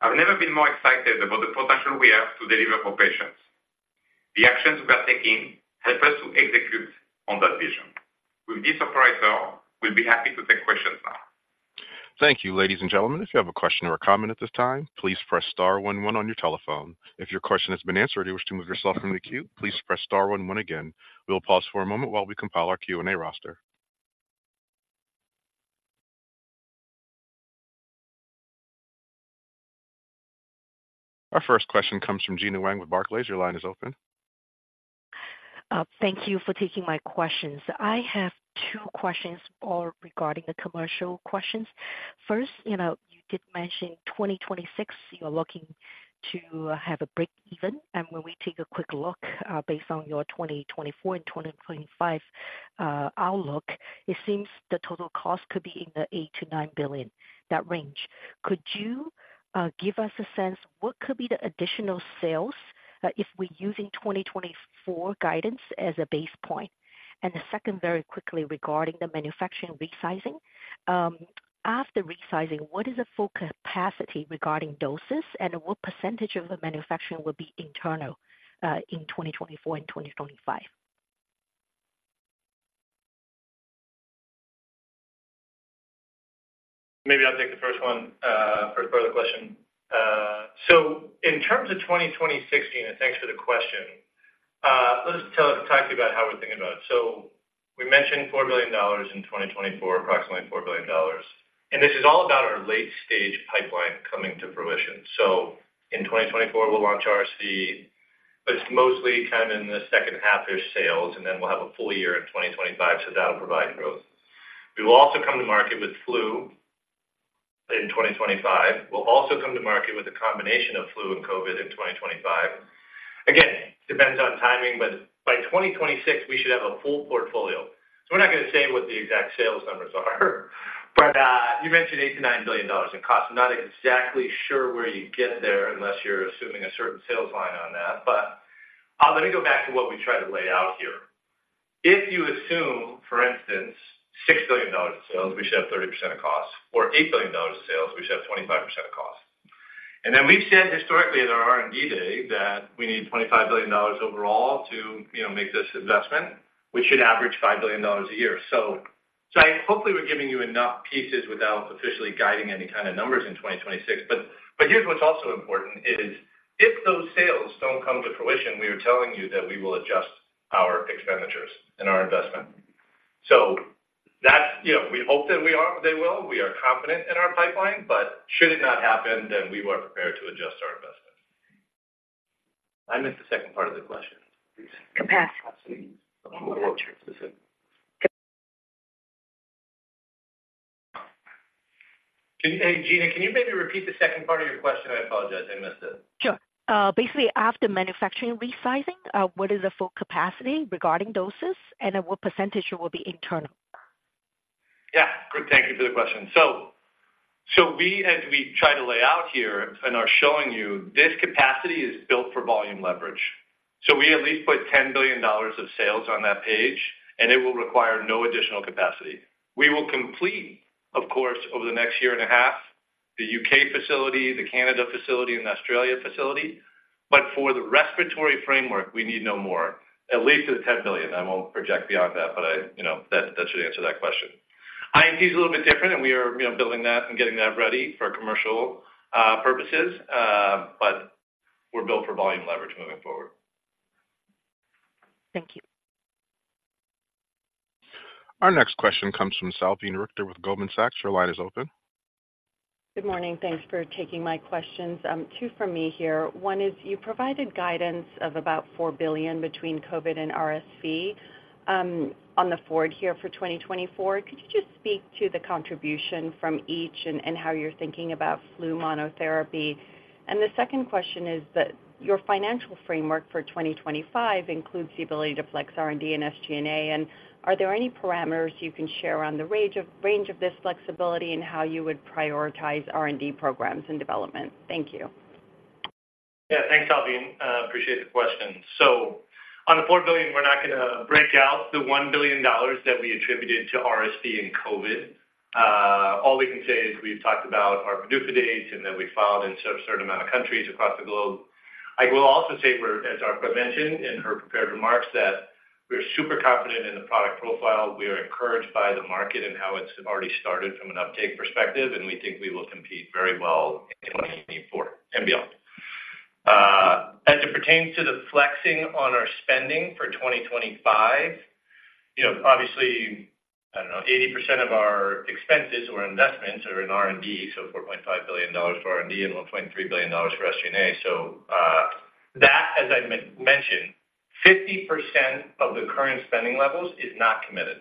I've never been more excited about the potential we have to deliver for patients. The actions we are taking help us to execute on that vision. With this operator, we'll be happy to take questions now. Thank you, ladies and gentlemen. If you have a question or a comment at this time, please press star one one on your telephone. If your question has been answered and you wish to move yourself from the queue, please press star one one again. We will pause for a moment while we compile our Q&A roster. Our first question comes from Gena Wang with Barclays. Your line is open. Thank you for taking my questions. I have two questions, all regarding the commercial questions. First, you know, you did mention 2026, you are looking to have a break even, and when we take a quick look, based on your 2024 and 2025 outlook, it seems the total cost could be in the $8 billion-$9 billion range. Could you give us a sense, what could be the additional sales, if we're using 2024 guidance as a base point? And the second, very quickly, regarding the manufacturing resizing. After resizing, what is the full capacity regarding doses, and what percentage of the manufacturing will be internal, in 2024 and 2025? Maybe I'll take the first one, first part of the question. So in terms of 2026, and thanks for the question, let's talk to you about how we're thinking about it. So we mentioned $4 billion in 2024, approximately $4 billion, and this is all about our late-stage pipeline coming to fruition. So in 2024, we'll launch RSV, but it's mostly kind of in the second half their sales, and then we'll have a full year in 2025, so that'll provide growth. We will also come to market with flu in 2025. We'll also come to market with a combination of flu and COVID in 2025. Again, depends on timing, but by 2026, we should have a full portfolio. So we're not going to say what the exact sales numbers are, but, you mentioned $8 billion-$9 billion in cost. I'm not exactly sure where you get there unless you're assuming a certain sales line on that. But, let me go back to what we tried to lay out here. If you assume, for instance, $6 billion in sales, we should have 30% of cost, or $8 billion in sales, we should have 25% of cost. And then we've said historically in our R&D Day that we need $25 billion overall to, you know, make this investment, we should average $5 billion a year. So, I hopefully we're giving you enough pieces without officially guiding any kind of numbers in 2026. But here's what's also important is if those sales don't come to fruition, we are telling you that we will adjust our expenditures and our investment. So that's, you know, we hope that they will. We are confident in our pipeline, but should it not happen, then we are prepared to adjust our investment. I missed the second part of the question. Capacity. Hey, Gena, can you maybe repeat the second part of your question? I apologize, I missed it. Sure. Basically, after manufacturing resizing, what is the full capacity regarding doses, and what percentage will be internal? Yeah. Good. Thank you for the question. So, so we, as we try to lay out here and are showing you, this capacity is built for volume leverage. So we at least put $10 billion of sales on that page, and it will require no additional capacity. We will complete, of course, over the next year and a half, the U.K. facility, the Canada facility, and Australia facility, but for the respiratory framework, we need no more, at least to the $10 billion. I won't project beyond that, but I, you know, that, that should answer that question. INT is a little bit different, and we are, you know, building that and getting that ready for commercial purposes, but we're built for volume leverage moving forward. Thank you. Our next question comes from Salveen Richter with Goldman Sachs. Your line is open. Good morning. Thanks for taking my questions. 2 from me here. 1 is, you provided guidance of about $4 billion between COVID and RSV, on the forward here for 2024. Could you just speak to the contribution from each and, and how you're thinking about flu monotherapy? And the second question is that your financial framework for 2025 includes the ability to flex R&D and SG&A. And are there any parameters you can share on the range of, range of this flexibility and how you would prioritize R&D programs and development? Thank you. Yeah, thanks, Salveen. Appreciate the question. So on the $4 billion, we're not going to break out the $1 billion that we attributed to RSV and COVID. All we can say is we've talked about our produce dates and that we filed in certain amount of countries across the globe. I will also say, we're, as Arpa mentioned in her prepared remarks, that we're super confident in the product profile. We are encouraged by the market and how it's already started from an uptake perspective, and we think we will compete very well in 2024 and beyond. As it pertains to the flexing on our spending for 2025, you know, obviously, I don't know, 80% of our expenses or investments are in R&D, so $4.5 billion for R&D and $1.3 billion for SG&A. So, that, as I mentioned, 50% of the current spending levels is not committed.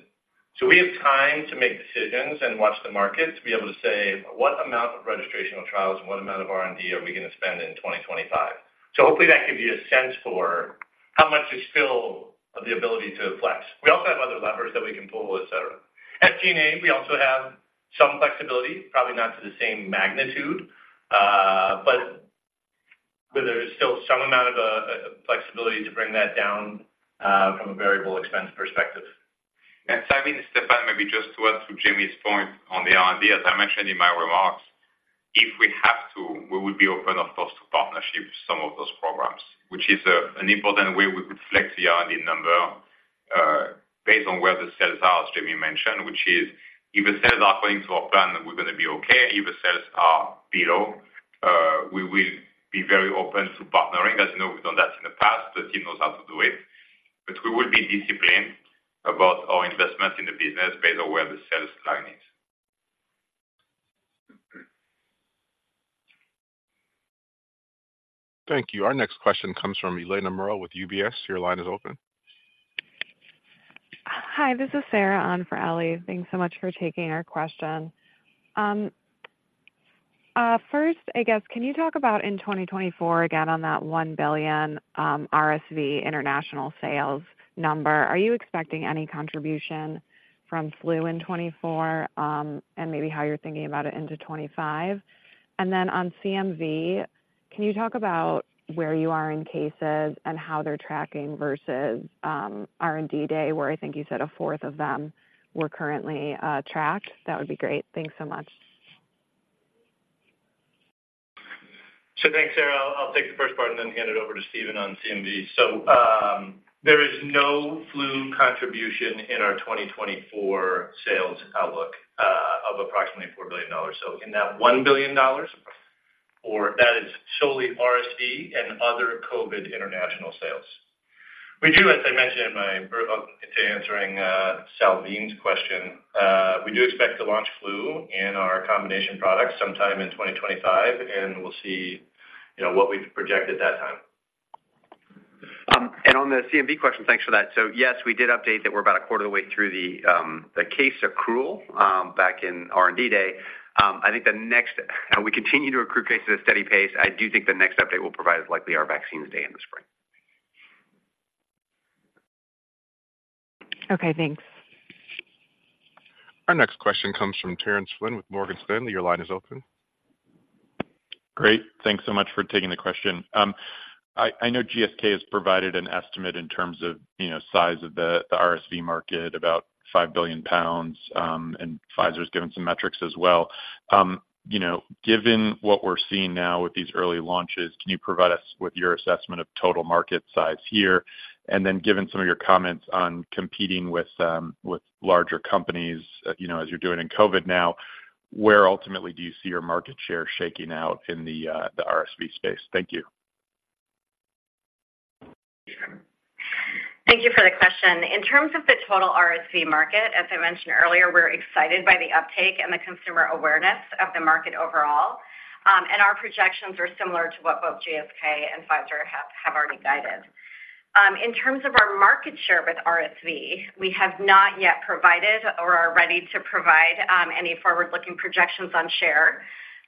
So we have time to make decisions and watch the market to be able to say what amount of registrational trials and what amount of R&D are we going to spend in 2025. So hopefully that gives you a sense for how much is still of the ability to flex. We also have other levers that we can pull, et cetera. SG&A, we also have some flexibility, probably not to the same magnitude, but there is still some amount of flexibility to bring that down, from a variable expense perspective. Salveen, Stéphane, maybe just to add to Jamey's point on the R&D, as I mentioned in my remarks, if we have to, we would be open, of course, to partner some of those programs, which is, an important way we could flex the R&D number, based on where the sales are, as Jamey mentioned, which is if the sales are going to our plan, we're going to be okay. If the sales are below, we will be very open to partnering. As you know, we've done that in the past, the team knows how to do it. But we will be disciplined about our investment in the business based on where the sales line is. Thank you. Our next question comes from Eliana Merle with UBS. Your line is open. Hi, this is Sarah on for Ellie. Thanks so much for taking our question. First, I guess, can you talk about in 2024, again, on that $1 billion RSV international sales number, are you expecting any contribution from flu in 2024, and maybe how you're thinking about it into 2025? And then on CMV, can you talk about where you are in cases and how they're tracking versus, R&D day, where I think you said a fourth of them were currently, tracked? That would be great. Thanks so much. So thanks, Sarah. I'll take the first part and then hand it over to Stephen on CMV. So, there is no flu contribution in our 2024 sales outlook of approximately $4 billion. So in that $1 billion, or that is solely RSV and other COVID international sales. We do, as I mentioned in my answering, Salveen's question, we do expect to launch flu in our combination products sometime in 2025, and we'll see, you know, what we've projected that time. And on the CMV question, thanks for that. So yes, we did update that we're about a quarter of the way through the case accrual back in R&D Day. I think the next, and we continue to accrue cases at a steady pace. I do think the next update will provide is likely our vaccines day in the spring. Okay, thanks. Our next question comes from Terence Flynn with Morgan Stanley. Your line is open. Great. Thanks so much for taking the question. I know GSK has provided an estimate in terms of, you know, size of the, the RSV market, about 5 billion pounds, and Pfizer's given some metrics as well. You know, given what we're seeing now with these early launches, can you provide us with your assessment of total market size here? And then given some of your comments on competing with, with larger companies, you know, as you're doing in COVID now, where ultimately do you see your market share shaking out in the, the RSV space? Thank you. Thank you for the question. In terms of the total RSV market, as I mentioned earlier, we're excited by the uptake and the consumer awareness of the market overall. Our projections are similar to what both GSK and Pfizer have already guided. In terms of our market share with RSV, we have not yet provided or are ready to provide any forward-looking projections on share,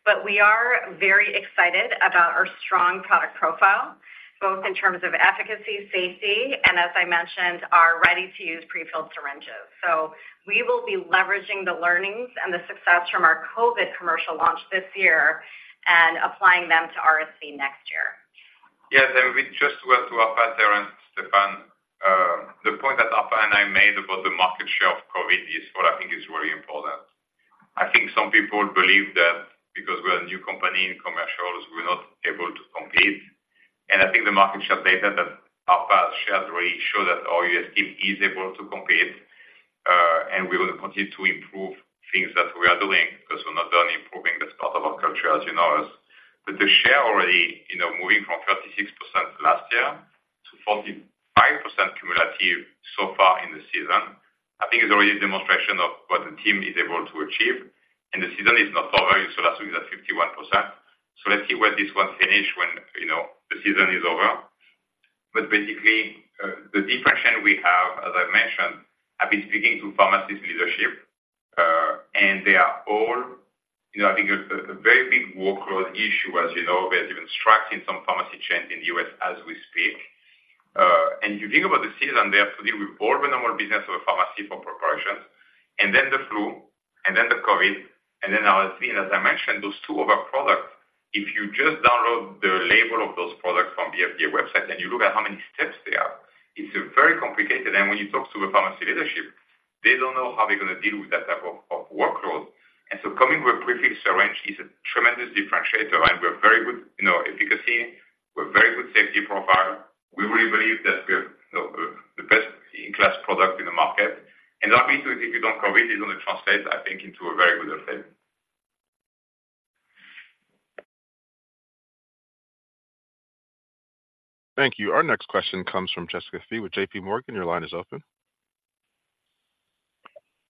but we are very excited about our strong product profile, both in terms of efficacy, safety, and as I mentioned, our ready-to-use prefilled syringes. So we will be leveraging the learnings and the success from our COVID commercial launch this year and applying them to RSV next year. Yes, and we just want to add to that, Terence, Stéphane, the point that Arpa and I made about the market share of COVID is what I think is very important. I think some people believe that because we're a new company in commercials, we're not able to compete. I think the market share data that Arpa shared really show that Moderna is able to compete, and we will continue to improve things that we are doing because we're not done improving. That's part of our culture, as you know. The share already, you know, moving from 36% last year to 45% cumulative so far in the season, I think is already a demonstration of what the team is able to achieve, and the season is not over, so that's at 51%. So let's see where this one finish when, you know, the season is over. But basically, the friction we have, as I mentioned, I've been speaking to pharmacy leadership, and they are all, you know, I think a very big workload issue. As you know, we have even strikes in some pharmacy chains in the U.S. as we speak. And you think about the season, they have to deal with all the normal business of a pharmacy for preparations, and then the flu and then the COVID, and then RSV. And as I mentioned, those two other products, if you just download the label of those products from the FDA website and you look at how many steps they are, it's very complicated. And when you talk to the pharmacy leadership, they don't know how they're gonna deal with that type of workload. So coming with a prefilled syringe is a tremendous differentiator, and we're very good in our efficacy. We're very good safety profile. We really believe that we have the best-in-class product in the market. And obviously, if you don't COVID, it's going to translate, I think, into a very good effect. Thank you. Our next question comes from Jessica Fye with JPMorgan. Your line is open.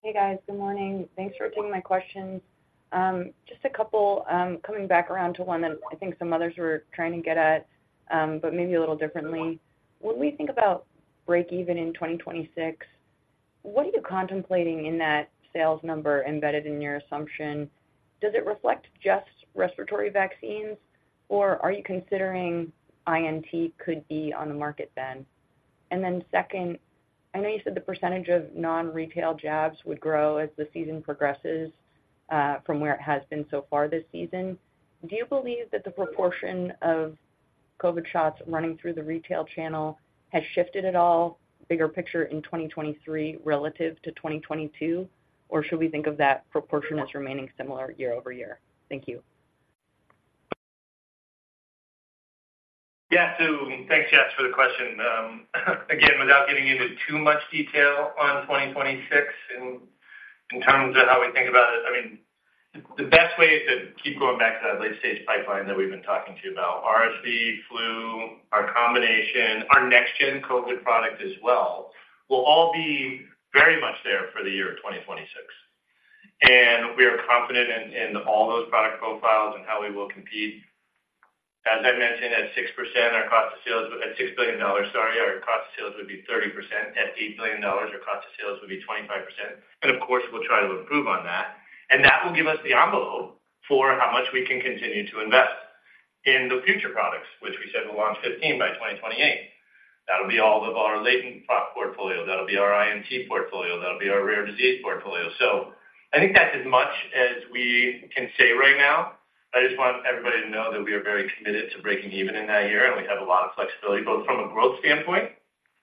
Hey, guys. Good morning. Thanks for taking my questions. Just a couple, coming back around to one that I think some others were trying to get at, but maybe a little differently. When we think about break even in 2026, what are you contemplating in that sales number embedded in your assumption? Does it reflect just respiratory vaccines, or are you considering INT could be on the market then? And then second, I know you said the percentage of non-retail jabs would grow as the season progresses, from where it has been so far this season. Do you believe that the proportion of COVID shots running through the retail channel has shifted at all, bigger picture in 2023 relative to 2022, or should we think of that proportion as remaining similar year-over-year? Thank you. Yeah. So thanks, Jess, for the question. Again, without getting into too much detail on 2026 in terms of how we think about it, I mean, the best way is to keep going back to that late-stage pipeline that we've been talking to you about. RSV, flu, our combination, our next gen COVID product as well, will all be very much there for the year of 2026. And we are confident in all those product profiles and how we will compete. As I mentioned, at 6%, our cost of sales at $6 billion, sorry, our cost of sales would be 30%. At $8 billion, our cost of sales would be 25%, and of course, we'll try to improve on that. And that will give us the envelope for how much we can continue to invest in the future products, which we said we'll launch 15 by 2028. That'll be all of our latent product portfolio. That'll be our INT portfolio, that'll be our rare disease portfolio. So I think that's as much as we can say right now. I just want everybody to know that we are very committed to breaking even in that year, and we have a lot of flexibility, both from a growth standpoint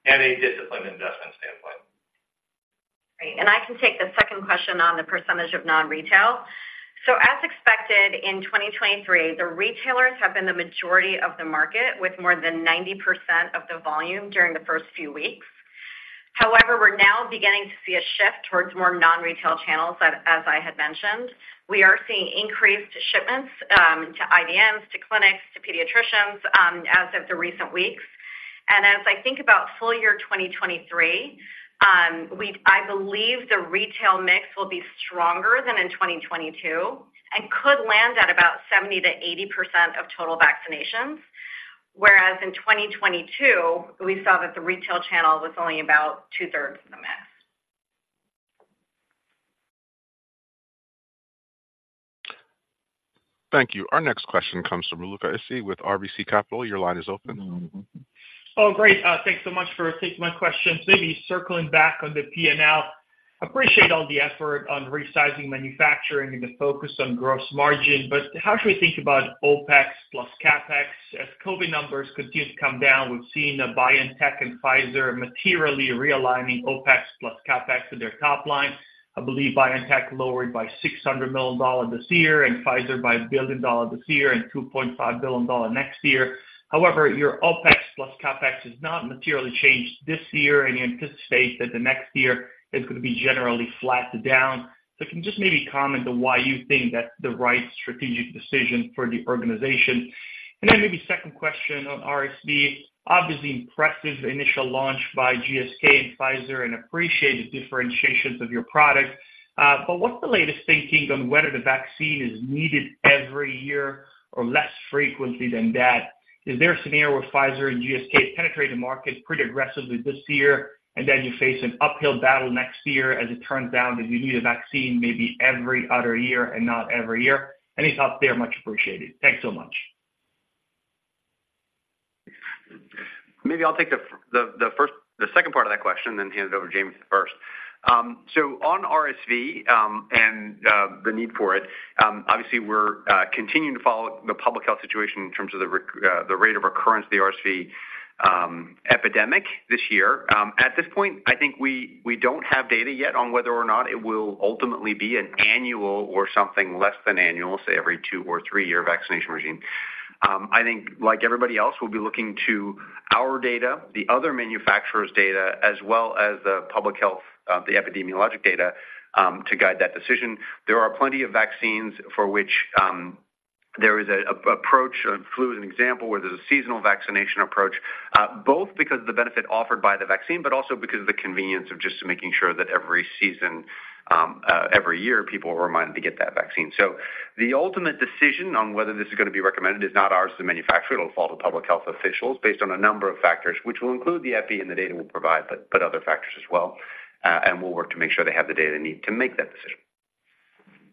and a disciplined investment standpoint. Great. And I can take the second question on the percentage of non-retail. So as expected, in 2023, the retailers have been the majority of the market, with more than 90% of the volume during the first few weeks. However, we're now beginning to see a shift towards more non-retail channels as I had mentioned. We are seeing increased shipments to IDNs, to clinics, to pediatricians, as of the recent weeks. And as I think about full year 2023, I believe the retail mix will be stronger than in 2022 and could land at about 70%-80% of total vaccinations, whereas in 2022, we saw that the retail channel was only about two-thirds of the mass. Thank you. Our next question comes from Luca Issi with RBC Capital. Your line is open. Oh, great, thanks so much for taking my questions. Maybe circling back on the P&L, appreciate all the effort on resizing manufacturing and the focus on gross margin, but how should we think about OpEx plus CapEx? As COVID numbers continue to come down, we've seen BioNTech and Pfizer materially realigning OpEx plus CapEx to their top line. I believe BioNTech lowered by $600 million this year and Pfizer by $1 billion this year and $2.5 billion next year. However, your OpEx plus CapEx has not materially changed this year, and you anticipate that the next year is going to be generally flat to down. So can you just maybe comment on why you think that's the right strategic decision for the organization? And then maybe second question on RSV, obviously, impressive initial launch by GSK and Pfizer and appreciate the differentiations of your product. But what's the latest thinking on whether the vaccine is needed every year or less frequently than that? Is there a scenario where Pfizer and GSK penetrate the market pretty aggressively this year, and then you face an uphill battle next year as it turns out that you need a vaccine maybe every other year and not every year? Any thoughts there are much appreciated. Thanks so much. Maybe I'll take the second part of that question, then hand it over to James first. So on RSV, and the need for it, obviously, we're continuing to follow the public health situation in terms of the rate of recurrence of the RSV epidemic this year. At this point, I think we don't have data yet on whether or not it will ultimately be an annual or something less than annual, say, every two or three-year vaccination regime. I think, like everybody else, we'll be looking to our data, the other manufacturers' data, as well as the public health, the epidemiologic data, to guide that decision. There are plenty of vaccines for which there is an approach. Flu is an example where there's a seasonal vaccination approach, both because of the benefit offered by the vaccine, but also because of the convenience of just making sure that every season, every year, people are reminded to get that vaccine. So the ultimate decision on whether this is going to be recommended is not ours, the manufacturer. It'll fall to public health officials based on a number of factors, which will include the epi and the data we'll provide, but other factors as well. We'll work to make sure they have the data they need to make that decision.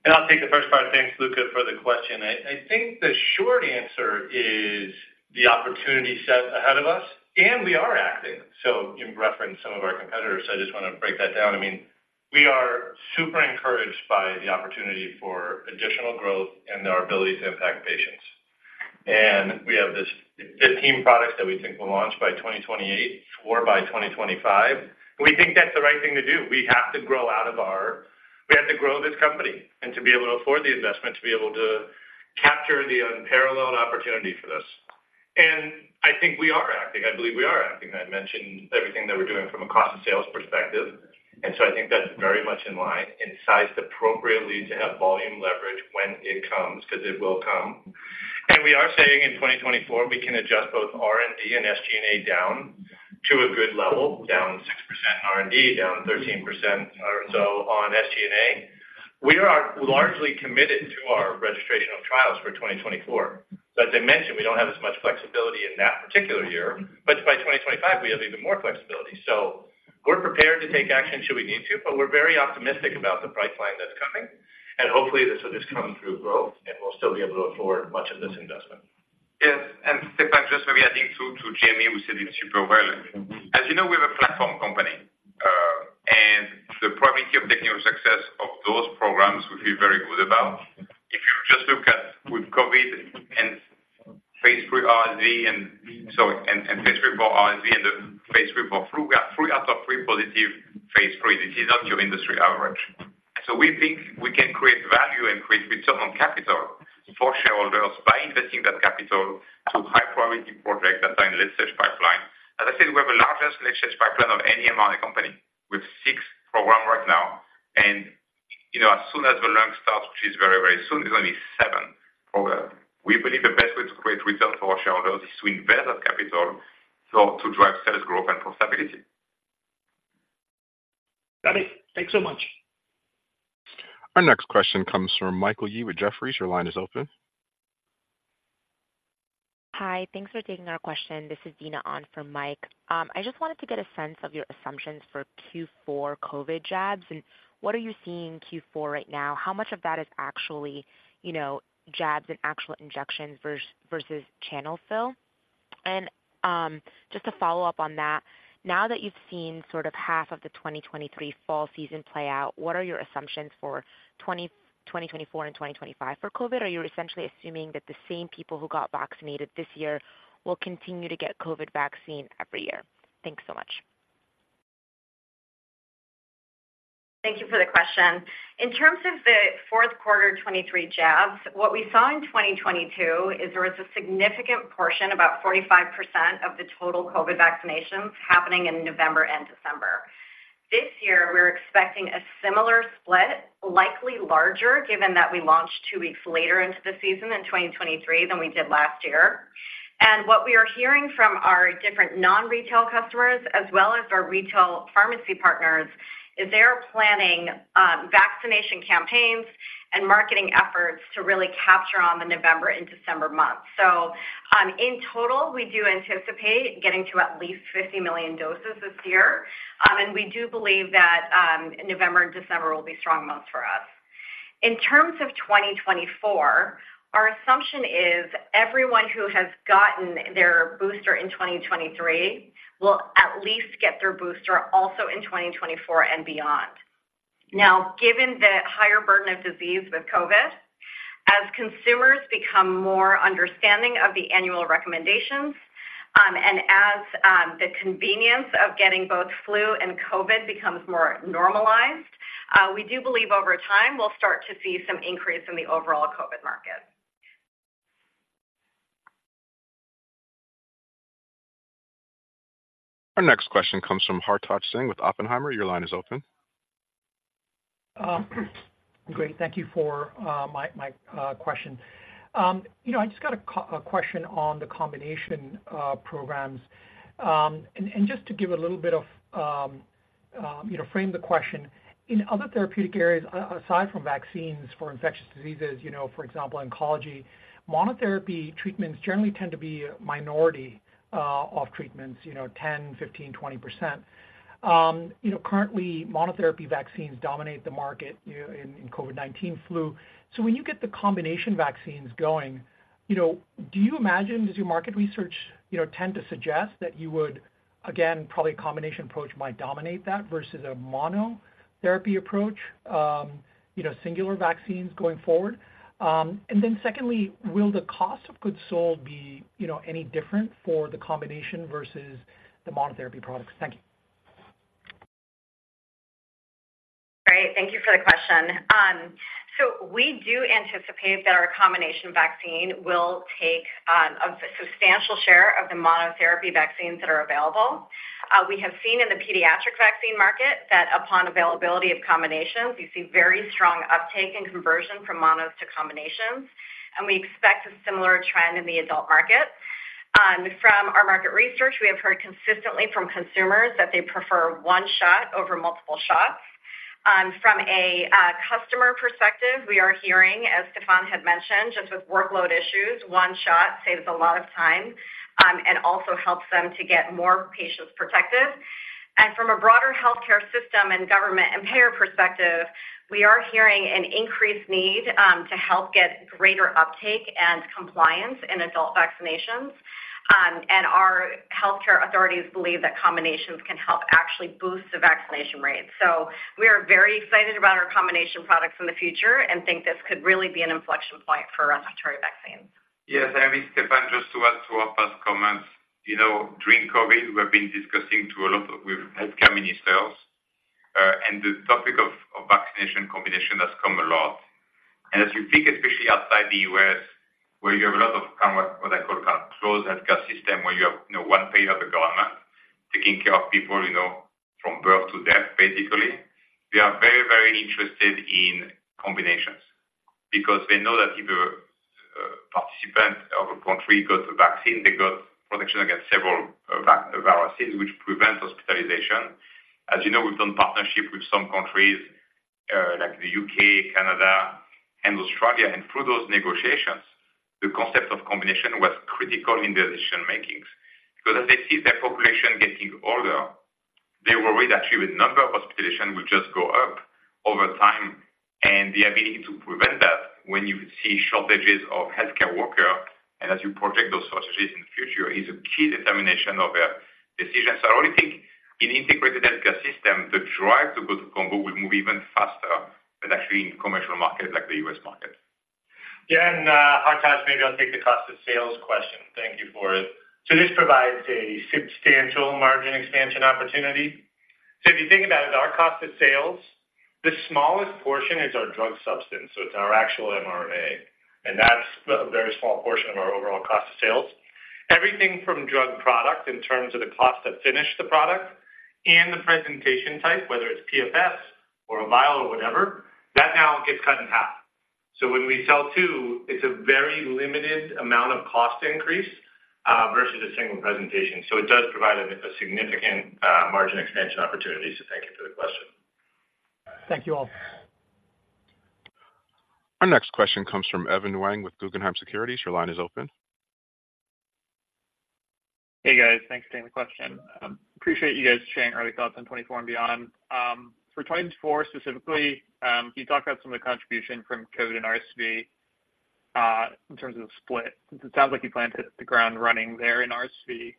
And I'll take the first part. Thanks, Luca, for the question. I, I think the short answer is the opportunity set ahead of us, and we are acting. So in reference to some of our competitors, I just want to break that down. I mean, we are super encouraged by the opportunity for additional growth and our ability to impact patients. And we have this 15 products that we think will launch by 2028 or by 2025. We think that's the right thing to do. We have to grow out of our - we have to grow this company and to be able to afford the investment, to be able to capture the unparalleled opportunity for this. And I think we are acting. I believe we are acting. I mentioned everything that we're doing from a cost of sales perspective, and so I think that's very much in line, and sized appropriately to have volume leverage when it comes, because it will come. We are saying in 2024, we can adjust both R&D and SG&A down to a good level, down 6% R&D, down 13% or so on SG&A. We are largely committed to our registrational trials for 2024. As I mentioned, we don't have as much flexibility in that particular year, but by 2025, we have even more flexibility. We're prepared to take action should we need to, but we're very optimistic about the pipeline that's coming, and hopefully, this will just come through growth, and we'll still be able to afford much of this investment. Yes, and Stéphane, just maybe adding to Jamey, we said it super well. As you know, we're a platform company, and the probability of technical success of those programs, we feel very good about. If you just look at with COVID and phase III RSV, and phase III for RSV and the phase III for flu, we have three out of three positive phase III. This is not your industry average. So we think we can create value and create return on capital for shareholders by investing that capital to high-priority projects that are in late-stage pipeline. As I said, we have the largest late-stage pipeline of any mRNA company with six programs right now, and, you know, as soon as the lung starts, which is very, very soon, it's going to be seven programs. We believe the best way to create return for our shareholders is to invest that capital, so to drive sales growth and profitability. Got it. Thanks so much. Our next question comes from Michael Yee with Jefferies. Your line is open. Hi. Thanks for taking our question. This is Dina on for Mike. I just wanted to get a sense of your assumptions for Q4 COVID jabs, and what are you seeing in Q4 right now? How much of that is actually, you know, jabs and actual injections versus channel fill? And, just to follow up on that, now that you've seen sort of half of the 2023 fall season play out, what are your assumptions for 2024 and 2025 for COVID? Are you essentially assuming that the same people who got vaccinated this year will continue to get COVID vaccine every year? Thanks so much. Thank you for the question. In terms of the fourth quarter 2023 jabs, what we saw in 2022 is there was a significant portion, about 45% of the total COVID vaccinations happening in November and December. This year, we're expecting a similar split, likely larger, given that we launched two weeks later into the season in 2023 than we did last year. And what we are hearing from our different non-retail customers, as well as our retail pharmacy partners, is they're planning vaccination campaigns and marketing efforts to really capture on the November and December months. So, in total, we do anticipate getting to at least 50 million doses this year, and we do believe that November and December will be strong months for us. In terms of 2024, our assumption is everyone who has gotten their booster in 2023 will at least get their booster also in 2024 and beyond. Now, given the higher burden of disease with COVID, as consumers become more understanding of the annual recommendations, and as the convenience of getting both flu and COVID becomes more normalized, we do believe over time we'll start to see some increase in the overall COVID market. Our next question comes from Hartaj Singh with Oppenheimer. Your line is open. Great. Thank you for my question. You know, I just got a question on the combination programs. And just to give a little bit of, you know, frame the question, in other therapeutic areas, aside from vaccines for infectious diseases, you know, for example, oncology, monotherapy treatments generally tend to be a minority of treatments, you know, 10, 15, 20%. You know, currently, monotherapy vaccines dominate the market, you know, in COVID-19 flu. So when you get the combination vaccines going, you know, do you imagine, does your market research, you know, tend to suggest that you would, again, probably a combination approach might dominate that versus a monotherapy approach, you know, singular vaccines going forward? And then secondly, will the cost of goods sold be, you know, any different for the combination versus the monotherapy products? Thank you. Great. Thank you for the question. So we do anticipate that our combination vaccine will take a substantial share of the monotherapy vaccines that are available. We have seen in the pediatric vaccine market that upon availability of combinations, you see very strong uptake and conversion from monos to combinations, and we expect a similar trend in the adult market. From our market research, we have heard consistently from consumers that they prefer one shot over multiple shots. From a customer perspective, we are hearing, as Stéphane had mentioned, just with workload issues, one shot saves a lot of time, and also helps them to get more patients protected. And from a broader healthcare system and government and payer perspective, we are hearing an increased need to help get greater uptake and compliance in adult vaccinations. Our healthcare authorities believe that combinations can help actually boost the vaccination rates. We are very excited about our combination products in the future and think this could really be an inflection point for respiratory vaccines. Yes, I mean, Stéphane, just to add to our past comments, you know, during COVID, we've been discussing with a lot of healthcare ministers, and the topic of vaccination combination has come up a lot. And as you think, especially outside the U.S., where you have a lot of kind of what I call closed healthcare systems, where you have, you know, one payer, the government, taking care of people, you know, from birth to death, basically, they are very, very interested in combinations. Because they know that if a participant of a country got the vaccine, they got protection against several viruses, which prevents hospitalization. As you know, we've done partnerships with some countries, like the U.K., Canada, and Australia, and through those negotiations, the concept of combination was critical in their decision making. Because as they see their population getting older, they were worried actually the number of hospitalization will just go up over time, and the ability to prevent that when you see shortages of healthcare worker, and as you project those shortages in the future, is a key determination of their decisions. I only think in integrated healthcare system, the drive to go to combo will move even faster than actually in commercial market like the U.S. market. Yeah, and, Hartaj, maybe I'll take the cost of sales question. Thank you for it. So this provides a substantial margin expansion opportunity. So if you think about it, our cost of sales, the smallest portion is our drug substance, so it's our actual mRNA, and that's a very small portion of our overall cost of sales. Everything from drug product in terms of the cost to finish the product and the presentation type, whether it's PFS or a vial or whatever, that now gets cut in half. So when we sell two, it's a very limited amount of cost increase versus a single presentation. So it does provide a significant margin expansion opportunity. So thank you for the question. Thank you all. Our next question comes from Evan Wang with Guggenheim Securities. Your line is open. Hey, guys. Thanks for taking the question. Appreciate you guys sharing early thoughts on 2024 and beyond. For 2024 specifically, you talked about some of the contribution from COVID and RSV in terms of the split. Since it sounds like you planned to hit the ground running there in RSV.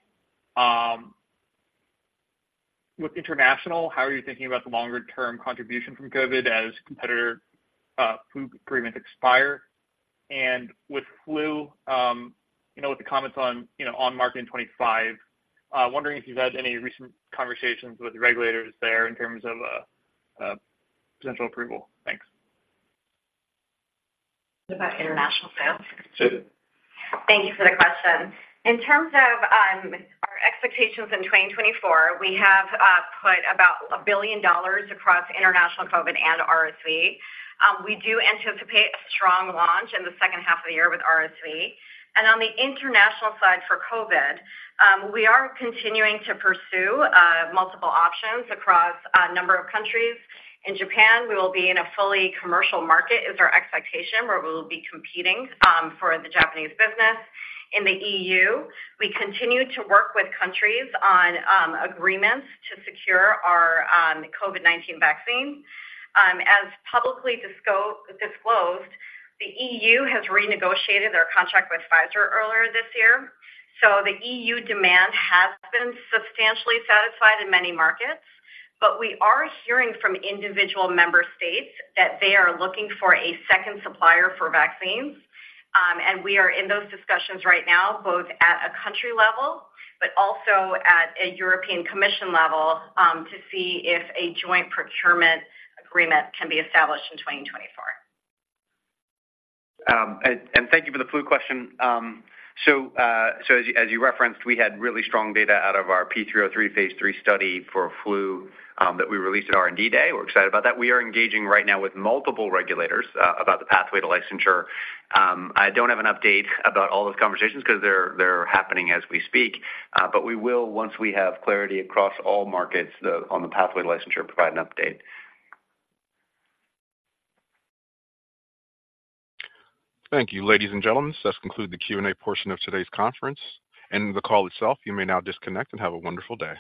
With international, how are you thinking about the longer-term contribution from COVID as competitor flu agreements expire? And with flu, you know, with the comments on, you know, on market in 2025, wondering if you've had any recent conversations with the regulators there in terms of potential approval. Thanks. About international sales? Thank you for the question. In terms of our expectations in 2024, we have put about $1 billion across international COVID and RSV. We do anticipate a strong launch in the second half of the year with RSV. On the international side for COVID, we are continuing to pursue multiple options across a number of countries. In Japan, we will be in a fully commercial market, is our expectation, where we will be competing for the Japanese business. In the EU, we continue to work with countries on agreements to secure our COVID-19 vaccine. As publicly disclosed, the EU has renegotiated their contract with Pfizer earlier this year, so the EU demand has been substantially satisfied in many markets. But we are hearing from individual member states that they are looking for a second supplier for vaccines, and we are in those discussions right now, both at a country level, but also at a European Commission level, to see if a joint procurement agreement can be established in 2024. Thank you for the flu question. So as you referenced, we had really strong data out of our P303 phase III study for flu, that we released at R&D Day. We're excited about that. We are engaging right now with multiple regulators about the pathway to licensure. I don't have an update about all those conversations because they're happening as we speak, but we will, once we have clarity across all markets, on the pathway to licensure, provide an update. Thank you, ladies and gentlemen. This concludes the Q&A portion of today's conference and the call itself. You may now disconnect and have a wonderful day.